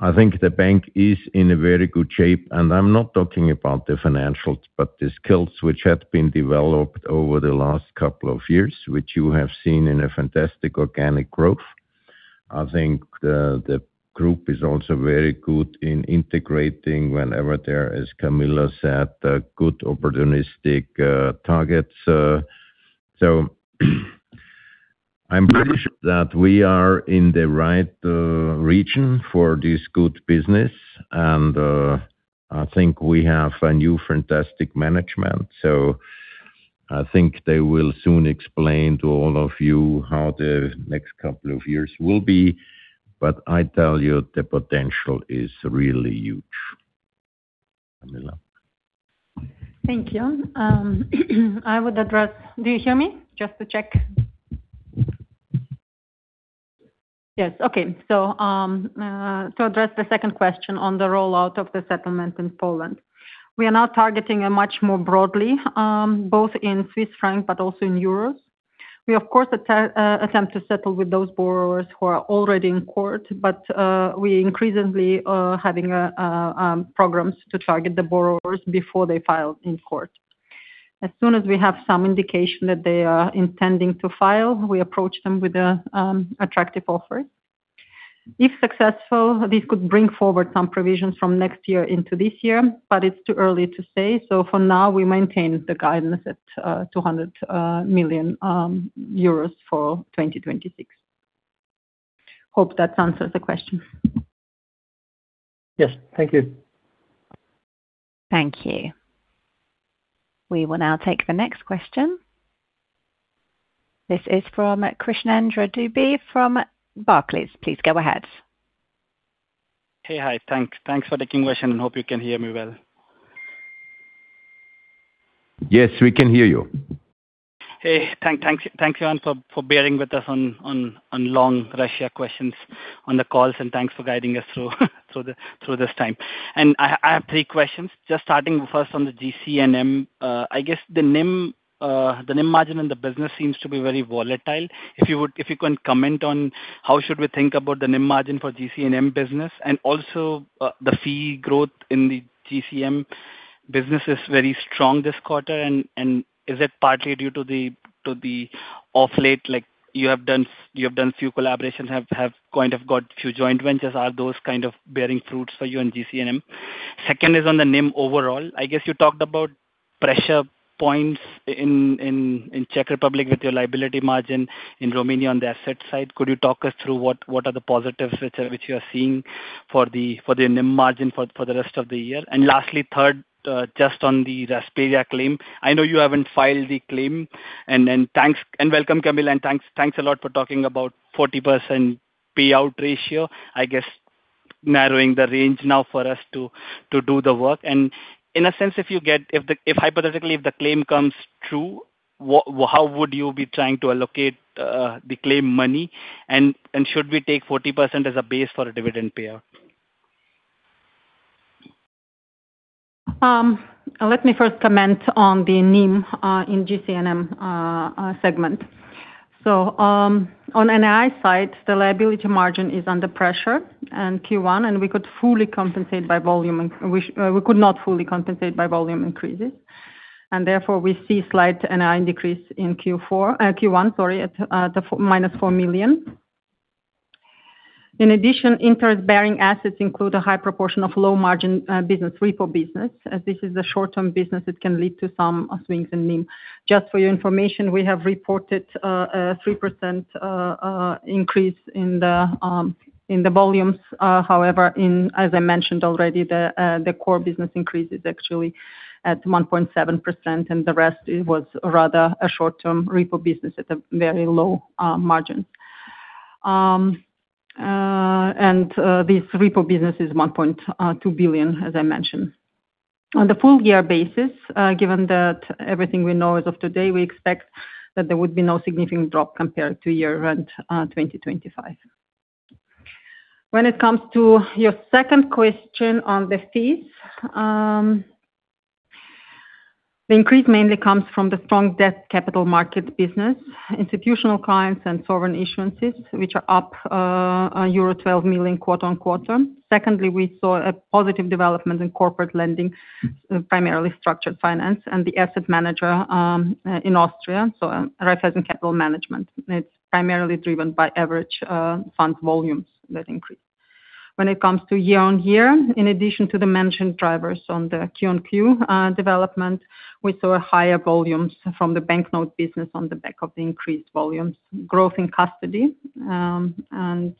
Speaker 2: I think the bank is in a very good shape, and I'm not talking about the financials, but the skills which had been developed over the last couple of years, which you have seen in a fantastic organic growth. I think the group is also very good in integrating whenever there, as Kamila said, good opportunistic targets. I'm pretty sure that we are in the right region for this good business, and I think we have a new fantastic management. I think they will soon explain to all of you how the next couple of years will be, but I tell you, the potential is really huge. Kamila.
Speaker 3: Thank you. I would address. Do you hear me? Just to check. Yes. Okay. To address the second question on the rollout of the settlement in Poland. We are now targeting a much more broadly, both in Swiss franc, but also in euros. We, of course, attempt to settle with those borrowers who are already in court, but we increasingly having a programs to target the borrowers before they file in court. As soon as we have some indication that they are intending to file, we approach them with a attractive offer. If successful, this could bring forward some provisions from next year into this year, but it's too early to say. For now, we maintain the guidance at 200 million euros for 2026. Hope that answers the question.
Speaker 8: Yes. Thank you.
Speaker 1: Thank you. We will now take the next question. This is from Krishnendra Dubey from Barclays. Please go ahead.
Speaker 9: Hey. Hi. Thanks for taking question. Hope you can hear me well.
Speaker 2: Yes, we can hear you.
Speaker 9: Hey, thanks, Johann, for bearing with us on long Russia questions on the calls, thanks for guiding us through this time. I have three questions. Just starting first on the GC&M. I guess the NIM, the NIM margin in the business seems to be very volatile. If you can comment on how should we think about the NIM margin for GC&M business, also, the fee growth in the GC&M business is very strong this quarter, and is it partly due to the, to the off late, like you have done few collaborations, have kind of got few joint ventures. Are those kind of bearing fruits for you in GC&M? Second is on the NIM overall. I guess you talked about pressure points in Czech Republic with your liability margin in Romania on the asset side. Could you talk us through what are the positives which you are seeing for the NIM margin for the rest of the year? Lastly, third, just on the Rasperia claim. I know you haven't filed the claim. Then thanks and welcome, Kamila, and thanks a lot for talking about 40% payout ratio. I guess narrowing the range now for us to do the work. In a sense, if you get If hypothetically, if the claim comes true, how would you be trying to allocate the claim money? Should we take 40% as a base for a dividend payout?
Speaker 3: Let me first comment on the NIM in GC&M segment. On an eye site, the liability margin is under pressure in Q1, and we could not fully compensate by volume increases, and therefore we see slight NII decrease in Q1, sorry, at minus 4 million. In addition, interest-bearing assets include a high proportion of low margin business, repo business. As this is a short-term business, it can lead to some swings in NIM. Just for your information, we have reported a 3% increase in the volumes. However, As I mentioned already, the core business increase is actually at 1.7%, and the rest was rather a short-term repo business at a very low margin. This repo business is 1.2 billion, as I mentioned. On the full year basis, given that everything we know as of today, we expect that there would be no significant drop compared to year 2025. When it comes to your second question on the fees, the increase mainly comes from the strong debt capital market business, institutional clients and sovereign issuances, which are up euro 12 million quarter-on-quarter. Secondly, we saw a positive development in corporate lending, primarily structured finance and the asset manager, in Austria, so a rise in capital management. It's primarily driven by average fund volumes that increase. When it comes to year on year, in addition to the mentioned drivers on the Q-on-Q development, we saw higher volumes from the banknote business on the back of the increased volumes, growth in custody, and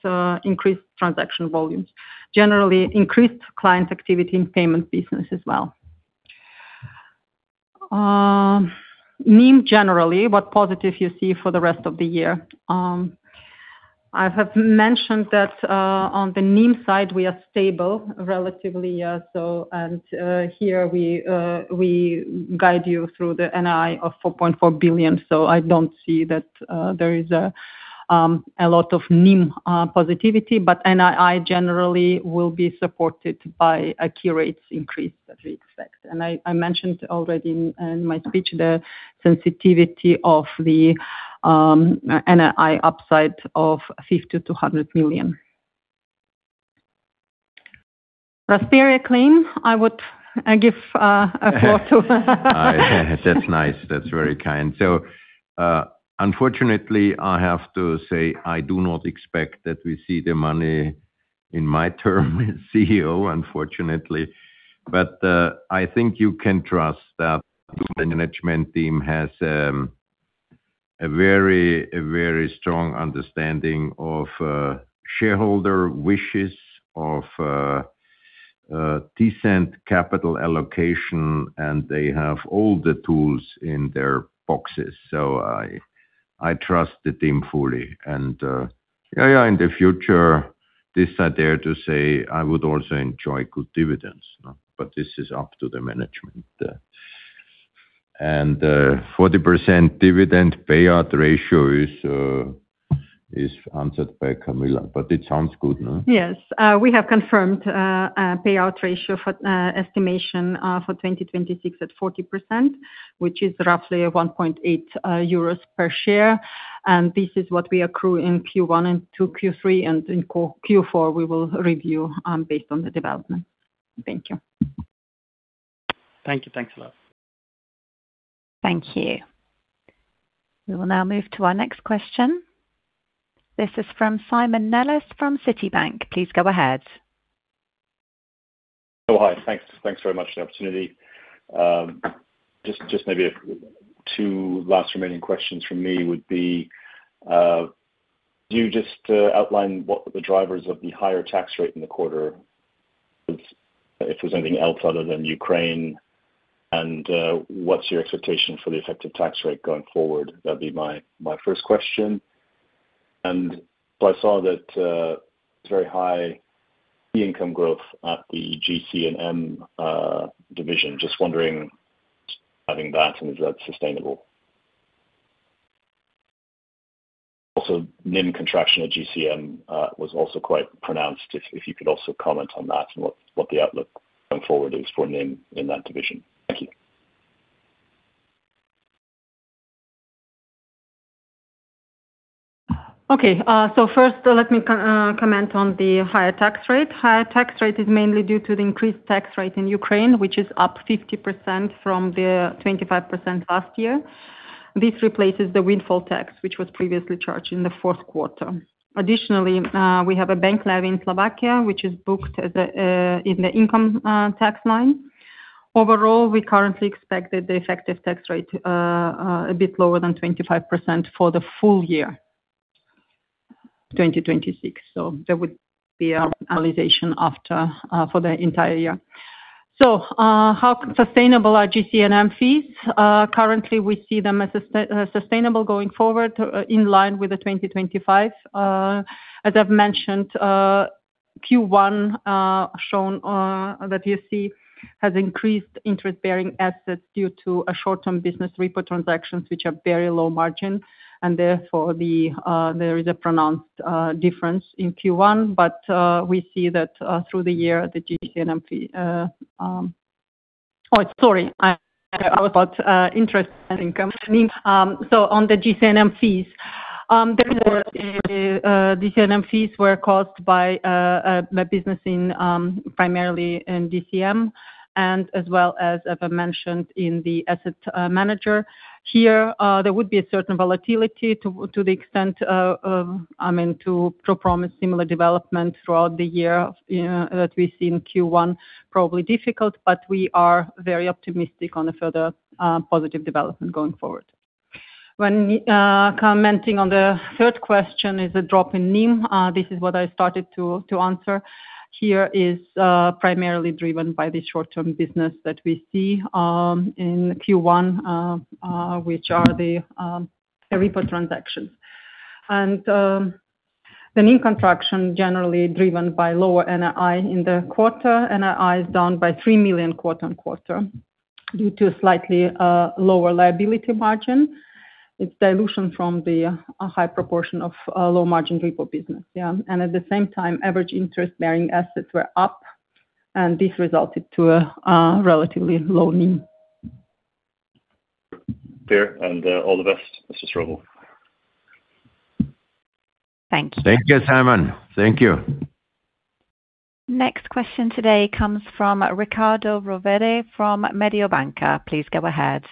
Speaker 3: increased transaction volumes. Generally, increased client activity in payment business as well. NIM, generally, what positive you see for the rest of the year? I have mentioned that on the NIM side, we are stable relatively. Here we guide you through the NII of 4.4 billion. I don't see that there is a lot of NIM positivity, but NII generally will be supported by a key rates increase that we expect. I mentioned already in my speech the sensitivity of the NII upside of EUR 50 million-EUR 100 million. Rasperia claim, I would give a floor to.
Speaker 2: That's nice. That's very kind. Unfortunately, I have to say I do not expect that we see the money in my term as CEO, unfortunately. I think you can trust that the management team has a very, a very strong understanding of shareholder wishes of decent capital allocation, and they have all the tools in their boxes. I trust the team fully. In the future, this I dare to say I would also enjoy good dividends, no? This is up to the management. 40% dividend payout ratio is answered by Kamila, but it sounds good, no?
Speaker 3: Yes. We have confirmed a payout ratio for estimation for 2026 at 40%, which is roughly 1.8 euros per share. This is what we accrue in Q1 and to Q3, and in Q4, we will review based on the development. Thank you.
Speaker 9: Thank you. Thanks a lot.
Speaker 1: Thank you. We will now move to our next question. This is from Simon Nellis from Citibank. Please go ahead.
Speaker 10: Hi. Thanks very much for the opportunity. Maybe two last remaining questions from me would be, can you outline what the drivers of the higher tax rate in the quarter, if there's anything else other than Ukraine? What's your expectation for the effective tax rate going forward? That'd be my first question. I saw that it's very high fee income growth at the GC&M division. Just wondering, having that, and is that sustainable? NIM contraction at GC&M was also quite pronounced. If you could also comment on that and what the outlook going forward is for NIM in that division. Thank you.
Speaker 3: Okay. First, let me comment on the higher tax rate. Higher tax rate is mainly due to the increased tax rate in Ukraine, which is up 50% from the 25% last year. This replaces the windfall tax, which was previously charged in the fourth quarter. Additionally, we have a bank levy in Slovakia, which is booked as a in the income tax line. Overall, we currently expect that the effective tax rate a bit lower than 25% for the full year 2026. There would be a realization after for the entire year. How sustainable are GC&M fees? Currently, we see them as sustainable going forward, in line with the 2025. As I've mentioned, Q1 has increased interest-bearing assets due to a short-term business repo transactions, which are very low margin, and therefore there is a pronounced difference in Q1. We see that through the year, the GC&M fee, Oh, sorry. I was about interest and income. I mean, so on the GC&M fees, therefore, GC&M fees were caused by the business in primarily in DCM and as well as Eva mentioned in the asset manager. Here, there would be a certain volatility to the extent, I mean, to promise similar development throughout the year, you know, that we see in Q1 probably difficult, but we are very optimistic on a further positive development going forward. When commenting on the third question is a drop in NIM. This is what I started to answer. Here is primarily driven by the short-term business that we see in Q1, which are the repo transactions. The NIM contraction generally driven by lower NII in the quarter. NII is down by 3 million quarter-on-quarter due to slightly lower liability margin. It's dilution from the high proportion of low margin repo business. Yeah. At the same time, average interest bearing assets were up, and this resulted to a relatively low NIM.
Speaker 10: Clear. All the best, Mr. Strobl.
Speaker 3: Thank you.
Speaker 2: Thank you, Simon. Thank you.
Speaker 1: Next question today comes from Riccardo Rovere from Mediobanca. Please go ahead.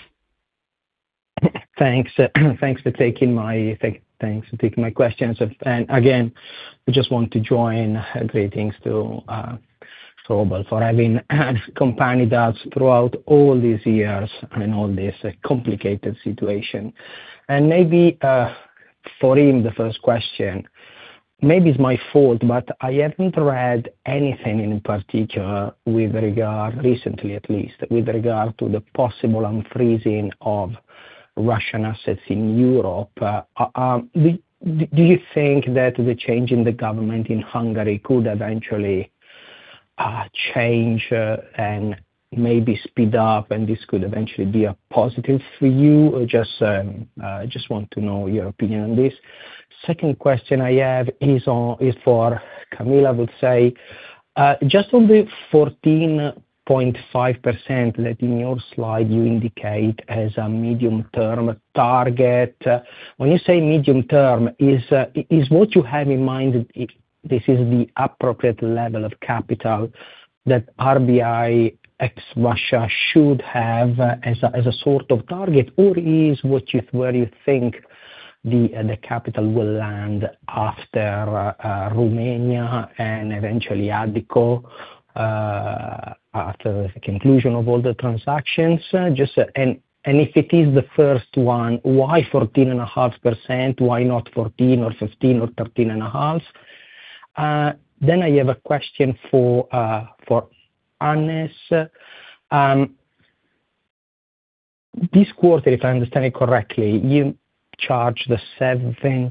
Speaker 11: Thanks. Thanks for taking my questions. Again, I just want to join greetings to Mr. Strobl for having accompanied us throughout all these years and in all this complicated situation. Maybe for him the first question, maybe it's my fault, but I haven't read anything in particular recently, at least, with regard to the possible unfreezing of Russian assets in Europe. Do you think that the change in the government in Hungary could eventually change and maybe speed up and this could eventually be a positive for you? Just I just want to know your opinion on this. Second question I have is for Kamila, I would say. Just on the 14.5% that in your slide you indicate as a medium-term target. When you say medium term, is what you have in mind, this is the appropriate level of capital that RBI ex Russia should have as a sort of target, or is where you think the capital will land after Romania and eventually Addiko, after the conclusion of all the transactions? If it is the first one, why 14.5%? Why not 14% or 15% or 13.5%? I have a question for Hannes. This quarter, if I understand it correctly, you charged the 74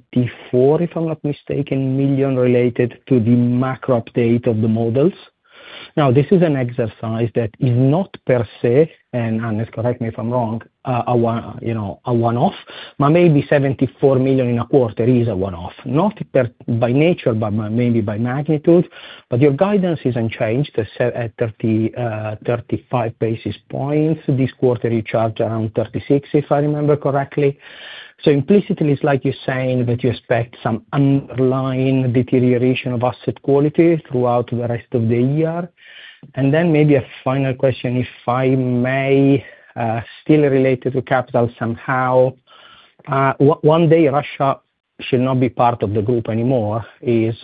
Speaker 11: million, if I'm not mistaken, related to the macro update of the models. This is an exercise that is not per se, and Hannes, correct me if I'm wrong, a one-off. Maybe 74 million in a quarter is a one-off, not per by nature, but maybe by magnitude. Your guidance is unchanged at 30 basis points-35 basis points. This quarter you charged around 36, if I remember correctly. Implicitly, it's like you're saying that you expect some underlying deterioration of asset quality throughout the rest of the year. Maybe a final question, if I may, still related to capital somehow. One day Russia should not be part of the group anymore, is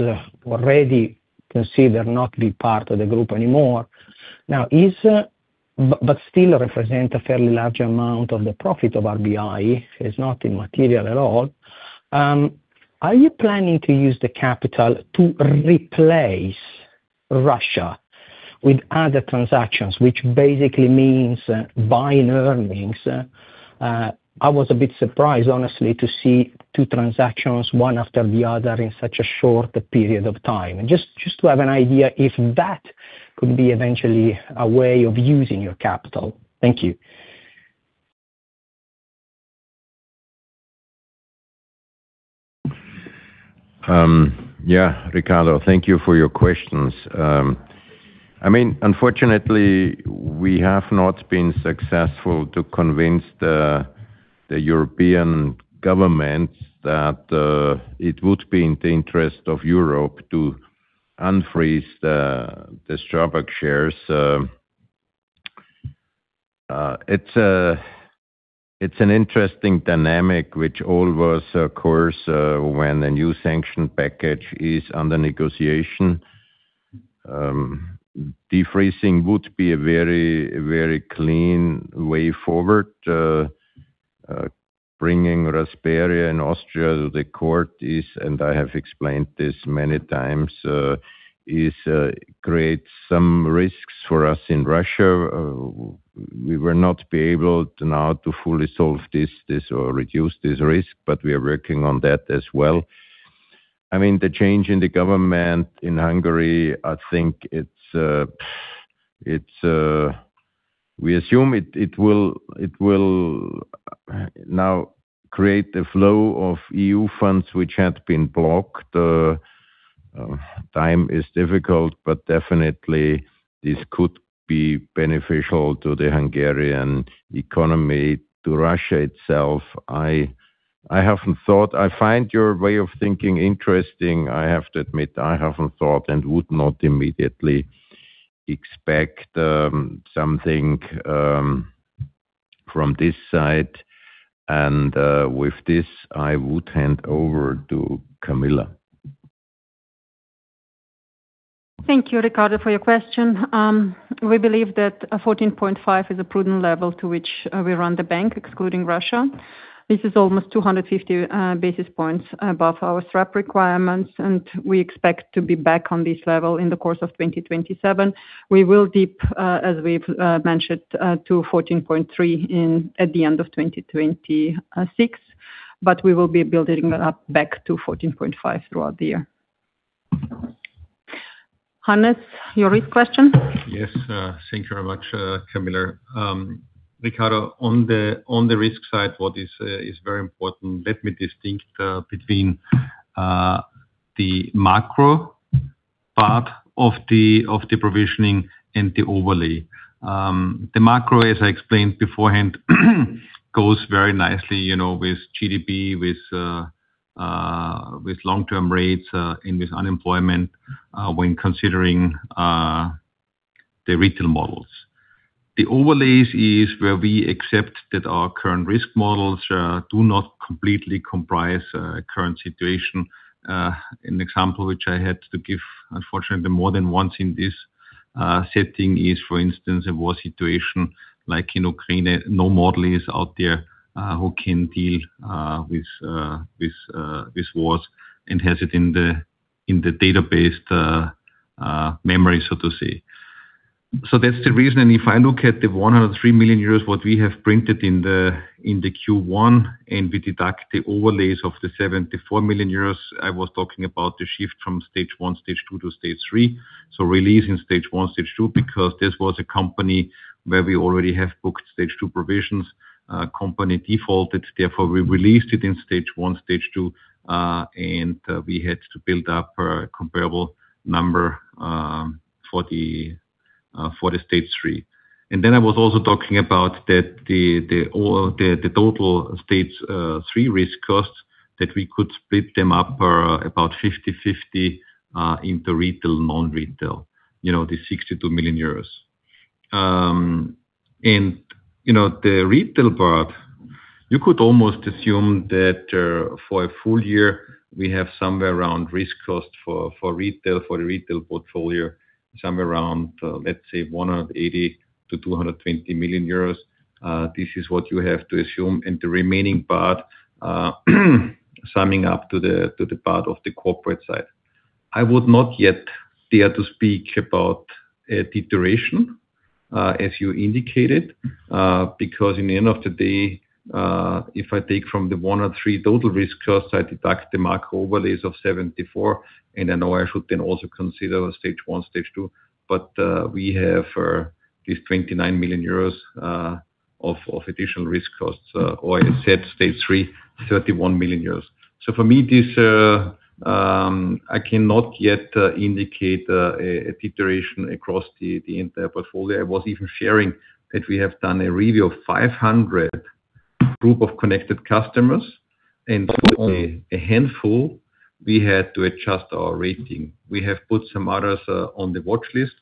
Speaker 11: already considered not be part of the group anymore. Still represent a fairly large amount of the profit of RBI. It's not immaterial at all. Are you planning to use the capital to replace Russia with other transactions, which basically means buying earnings? I was a bit surprised, honestly, to see two transactions, one after the other, in such a short period of time. Just to have an idea if that could be eventually a way of using your capital. Thank you.
Speaker 2: Riccardo, thank you for your questions. I mean, unfortunately, we have not been successful to convince the European governments that it would be in the interest of Europe to unfreeze the Sberbank shares. It's an interesting dynamic, which always occurs when a new sanction package is under negotiation. De-freezing would be a very, very clean way forward. Bringing Rasperia in Austria to the court is, and I have explained this many times, creates some risks for us in Russia. We will not be able to now to fully solve this or reduce this risk, but we are working on that as well. I mean, the change in the government in Hungary, I think we assume it will now create a flow of EU funds which had been blocked. Time is difficult, but definitely this could be beneficial to the Hungarian economy, to Russia itself. I haven't thought. I find your way of thinking interesting. I have to admit, I haven't thought and would not immediately expect something from this side. With this, I would hand over to Kamila.
Speaker 3: Thank you, Riccardo, for your question. We believe that a 14.5% is a prudent level to which we run the bank, excluding Russia. This is almost 250 basis points above our SREP requirements, and we expect to be back on this level in the course of 2027. We will dip, as we've mentioned, to 14.3% at the end of 2026. We will be building it up back to 14.5% throughout the year. Hannes, your risk question?
Speaker 4: Yes, thank you very much, Kamila. Riccardo, on the risk side, what is very important. Let me distinct between the macro part of the provisioning and the overlay. The macro, as I explained beforehand, goes very nicely, you know, with GDP, with long-term rates and with unemployment when considering the retail models. The overlays is where we accept that our current risk models do not completely comprise current situation. An example which I had to give, unfortunately, more than once in this setting is, for instance, a war situation like, you know, Ukraine. No model is out there who can deal with wars and has it in the database memory, so to say. That's the reason. If I look at the 103 million euros, what we have printed in the Q1, and we deduct the overlays of the 74 million euros, I was talking about the shift from Stage 1, Stage 2 to Stage 3. Releasing Stage 1, Stage 2, because this was a company where we already have booked Stage 2 provisions. Company defaulted, therefore we released it in Stage 1, Stage 2, and we had to build up a comparable number for the Stage 3. I was also talking about that the total Stage 3 risk costs that we could split them up for about 50/50, into retail, non-retail, you know, the 62 million euros. You know, the retail part, you could almost assume that for a full year, we have somewhere around risk cost for retail, for the retail portfolio, somewhere around 180 million-220 million euros. This is what you have to assume. The remaining part, summing up to the part of the corporate side. I would not yet dare to speak about a deterioration, as you indicated, because in the end of the day, if I take from the 103 total risk costs, I deduct the macro overlays of 74 million, I know I should then also consider Stage 1, Stage 2. We have this 29 million euros of additional risk costs, or I said Stage 3, 31 million euros. For me, this, I cannot yet indicate a deterioration across the entire portfolio. I was even sharing that we have done a review of 500 group of connected customers, and only a handful we had to adjust our rating. We have put some others on the watchlist,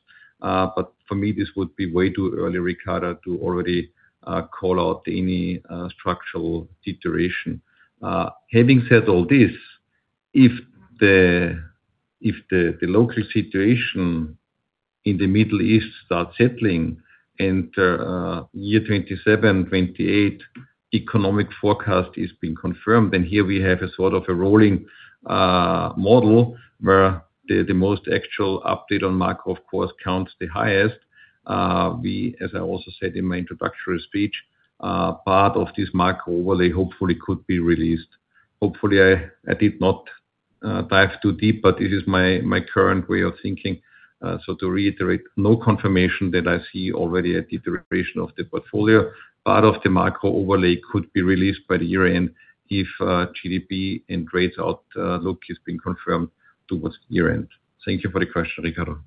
Speaker 4: but for me, this would be way too early, Riccardo, to already call out any structural deterioration. Having said all this, if the local situation in the Middle East starts settling and year 2027, 2028 economic forecast is being confirmed, then here we have a sort of a rolling model where the most actual update on macro, of course, counts the highest. We, as I also said in my introductory speech, part of this macro overlay hopefully could be released. Hopefully, I did not dive too deep, but it is my current way of thinking. To reiterate, no confirmation that I see already a deterioration of the portfolio. Part of the macro overlay could be released by the year-end if GDP and rates outlook is being confirmed towards year-end. Thank you for the question, Riccardo.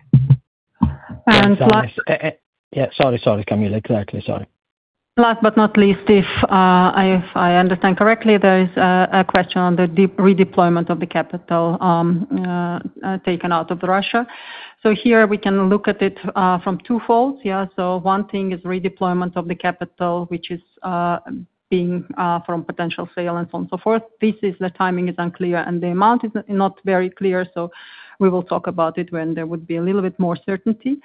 Speaker 3: And last-
Speaker 2: Yeah, sorry. Sorry, Kamila. Exactly. Sorry.
Speaker 3: Last but not least, if I understand correctly, there is a question on the redeployment of the capital taken out of Russia. Here we can look at it from two folds. One thing is redeployment of the capital, which is being from potential sale and so on and so forth. This is the timing is unclear, and the amount is not very clear, so we will talk about it when there would be a little bit more certainty.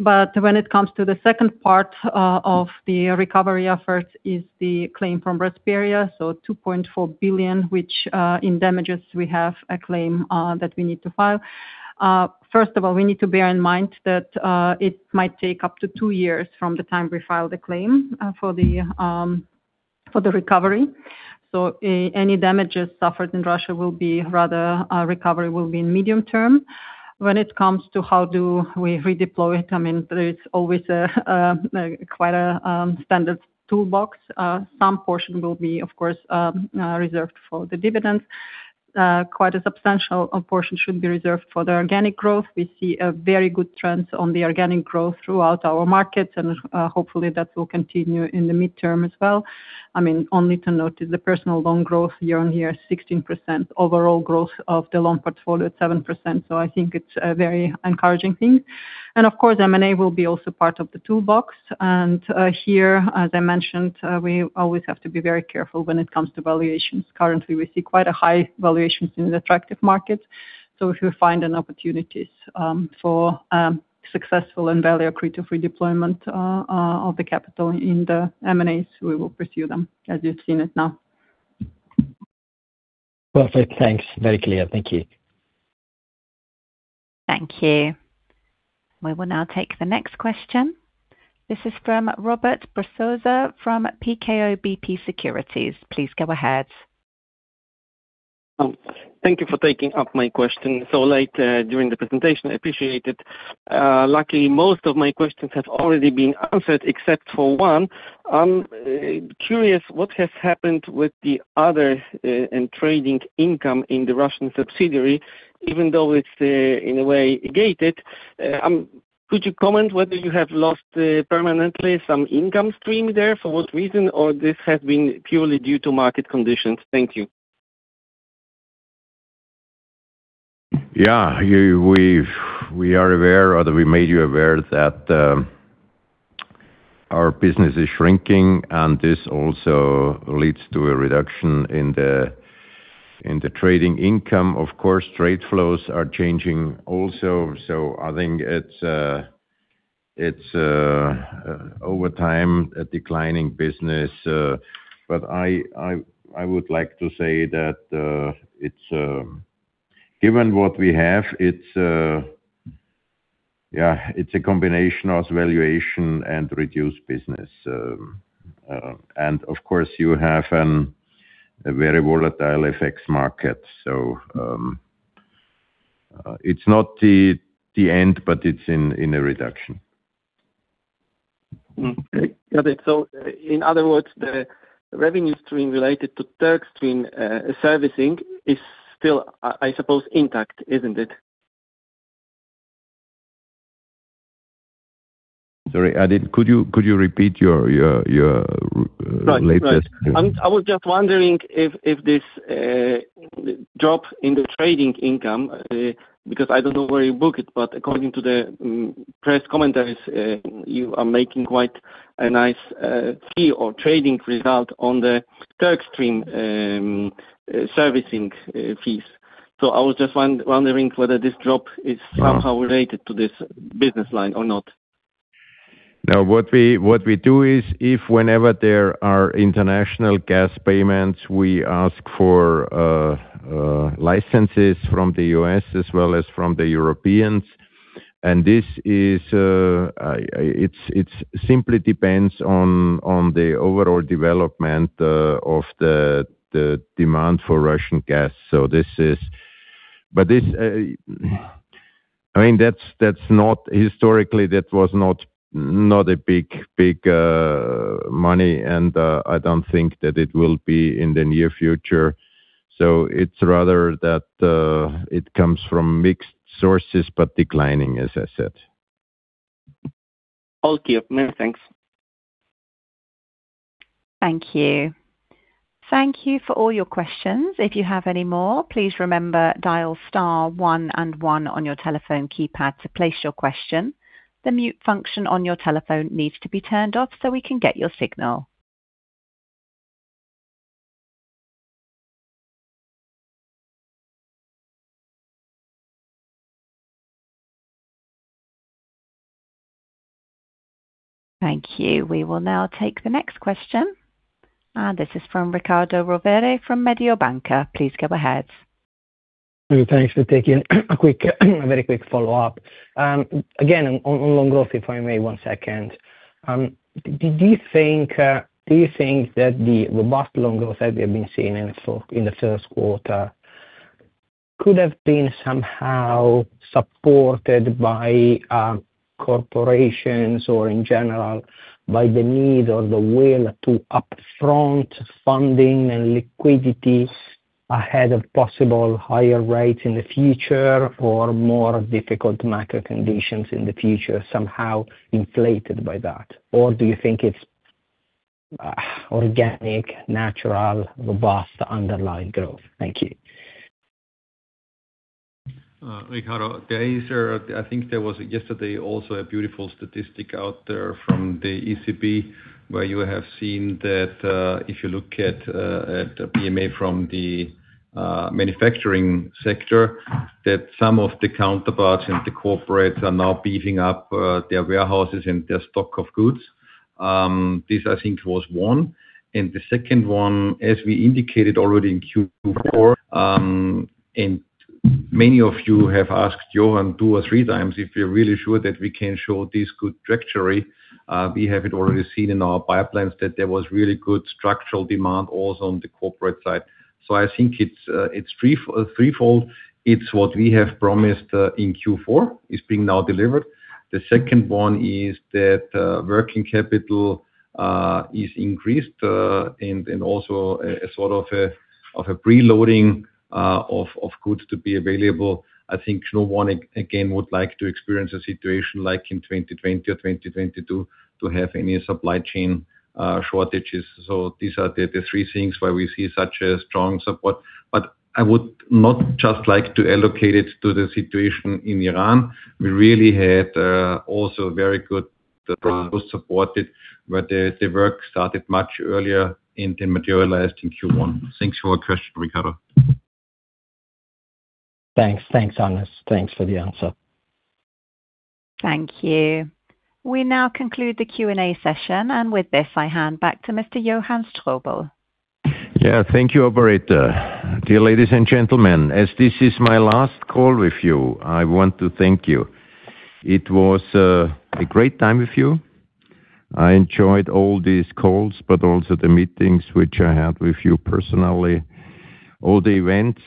Speaker 3: But when it comes to the second part of the recovery effort is the claim from Rasperia. 2.4 billion, which in damages, we have a claim that we need to file. First of all, we need to bear in mind that it might take up to two years from the time we file the claim for the recovery. Any damages suffered in Russia, recovery will be in medium term. When it comes to how do we redeploy it, there is always a quite a standard toolbox. Some portion will be, of course, reserved for the dividends. Quite a substantial portion should be reserved for the organic growth. We see a very good trends on the organic growth throughout our markets, and hopefully that will continue in the midterm as well. Only to note is the personal loan growth year on year, 16%. Overall growth of the loan portfolio at 7%. I think it's a very encouraging thing. Of course, M&A will be also part of the toolbox. Here, as I mentioned, we always have to be very careful when it comes to valuations. Currently, we see quite a high valuations in the attractive markets. If you find opportunities for successful and value-accretive redeployment of the capital in the M&As, we will pursue them as you've seen it now.
Speaker 11: Perfect. Thanks. Very clear. Thank you.
Speaker 1: Thank you. We will now take the next question. This is from Robert Brzoza from PKO BP Securities. Please go ahead.
Speaker 12: Thank you for taking up my question so late during the presentation. I appreciate it. Luckily, most of my questions have already been answered, except for one. I'm curious what has happened with the other in trading income in the Russian subsidiary, even though it's in a way, gated. Could you comment whether you have lost permanently some income stream there? For what reason? Or this has been purely due to market conditions? Thank you.
Speaker 2: Yeah. We are aware, or we made you aware that our business is shrinking, and this also leads to a reduction in the trading income. Trade flows are changing also. I think it's over time a declining business. I would like to say that given what we have, it's a combination of valuation and reduced business. Of course, you have a very volatile FX market. It's not the end, but it's in a reduction.
Speaker 12: Got it. In other words, the revenue stream related to TurkStream servicing is still, I suppose, intact, isn't it?
Speaker 2: Sorry. Could you repeat your latest?
Speaker 12: Right. I was just wondering if this drop in the trading income, because I don't know where you book it, but according to the press commentaries, you are making quite a nice fee or trading result on the TurkStream servicing fees. I was just wondering whether this drop is somehow related to this business line or not.
Speaker 2: No. What we do is if whenever there are international gas payments, we ask for licenses from the U.S. as well as from the Europeans. This is, it's simply depends on the overall development of the demand for Russian gas. This, I mean, that's not historically, that was not a big money. I don't think that it will be in the near future. It's rather that, it comes from mixed sources, but declining, as I said.
Speaker 12: All clear. No, thanks.
Speaker 1: Thank you. Thank you for all your questions. If you have any more, please remember dial star one and one on your telephone keypad to place your question. The mute function on your telephone needs to be turned off so we can get your signal. Thank you. We will now take the next question. This is from Riccardo Rovere from Mediobanca. Please go ahead.
Speaker 11: Thanks for taking a quick, a very quick follow-up. again, on loan growth, if I may, one second. Do you think, do you think that the robust loan growth that we have been seeing in the first quarter could have been somehow supported by corporations or in general by the need or the will to upfront funding and liquidity ahead of possible higher rates in the future or more difficult market conditions in the future, somehow inflated by that? Do you think it's organic, natural, robust underlying growth? Thank you.
Speaker 4: Riccardo, there is I think there was yesterday also a beautiful statistic out there from the ECB, where you have seen that, if you look at PMI from the manufacturing sector, that some of the counterparts and the corporates are now beefing up their warehouses and their stock of goods. This I think was one. The second one, as we indicated already in Q4, and many of you have asked Johann two or three times if you're really sure that we can show this good trajectory. We have it already seen in our pipelines that there was really good structural demand also on the corporate side. I think it's threefold. It's what we have promised, in Q4 is being now delivered. The second one is that working capital is increased, and also a sort of a preloading of goods to be available. I think no one again, would like to experience a situation like in 2020 or 2022 to have any supply chain shortages. These are the three things why we see such a strong support. I would not just like to allocate it to the situation in Iran. We really had also very good support it, but the work started much earlier and materialized in Q1. Thanks for your question, Riccardo.
Speaker 11: Thanks. Thanks, Hannes. Thanks for the answer.
Speaker 1: Thank you. We now conclude the Q&A session. With this, I hand back to Mr. Johann Strobl.
Speaker 2: Thank you, operator. Dear ladies and gentlemen, as this is my last call with you, I want to thank you. It was a great time with you. I enjoyed all these calls, but also the meetings which I had with you personally, all the events.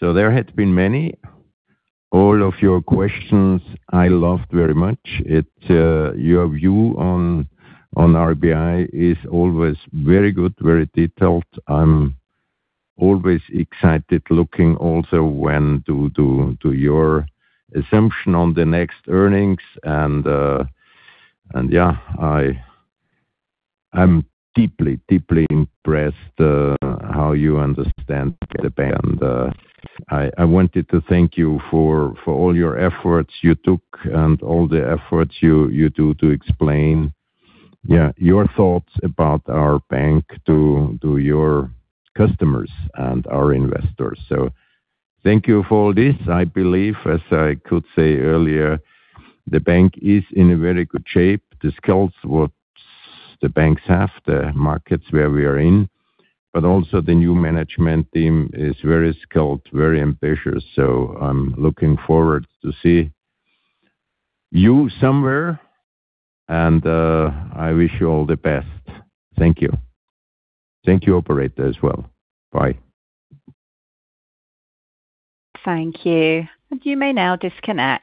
Speaker 2: There had been many. All of your questions I loved very much. Your view on RBI is always very good, very detailed. I'm always excited looking also when to your assumption on the next earnings and I'm deeply impressed how you understand the bank. I wanted to thank you for all your efforts you took and all the efforts you do to explain your thoughts about our bank to your customers and our investors. Thank you for all this. I believe, as I could say earlier, the bank is in a very good shape. The skills what the banks have, the markets where we are in, but also the new management team is very skilled, very ambitious. I'm looking forward to see you somewhere and I wish you all the best. Thank you. Thank you, operator as well. Bye.
Speaker 1: Thank you. You may now disconnect.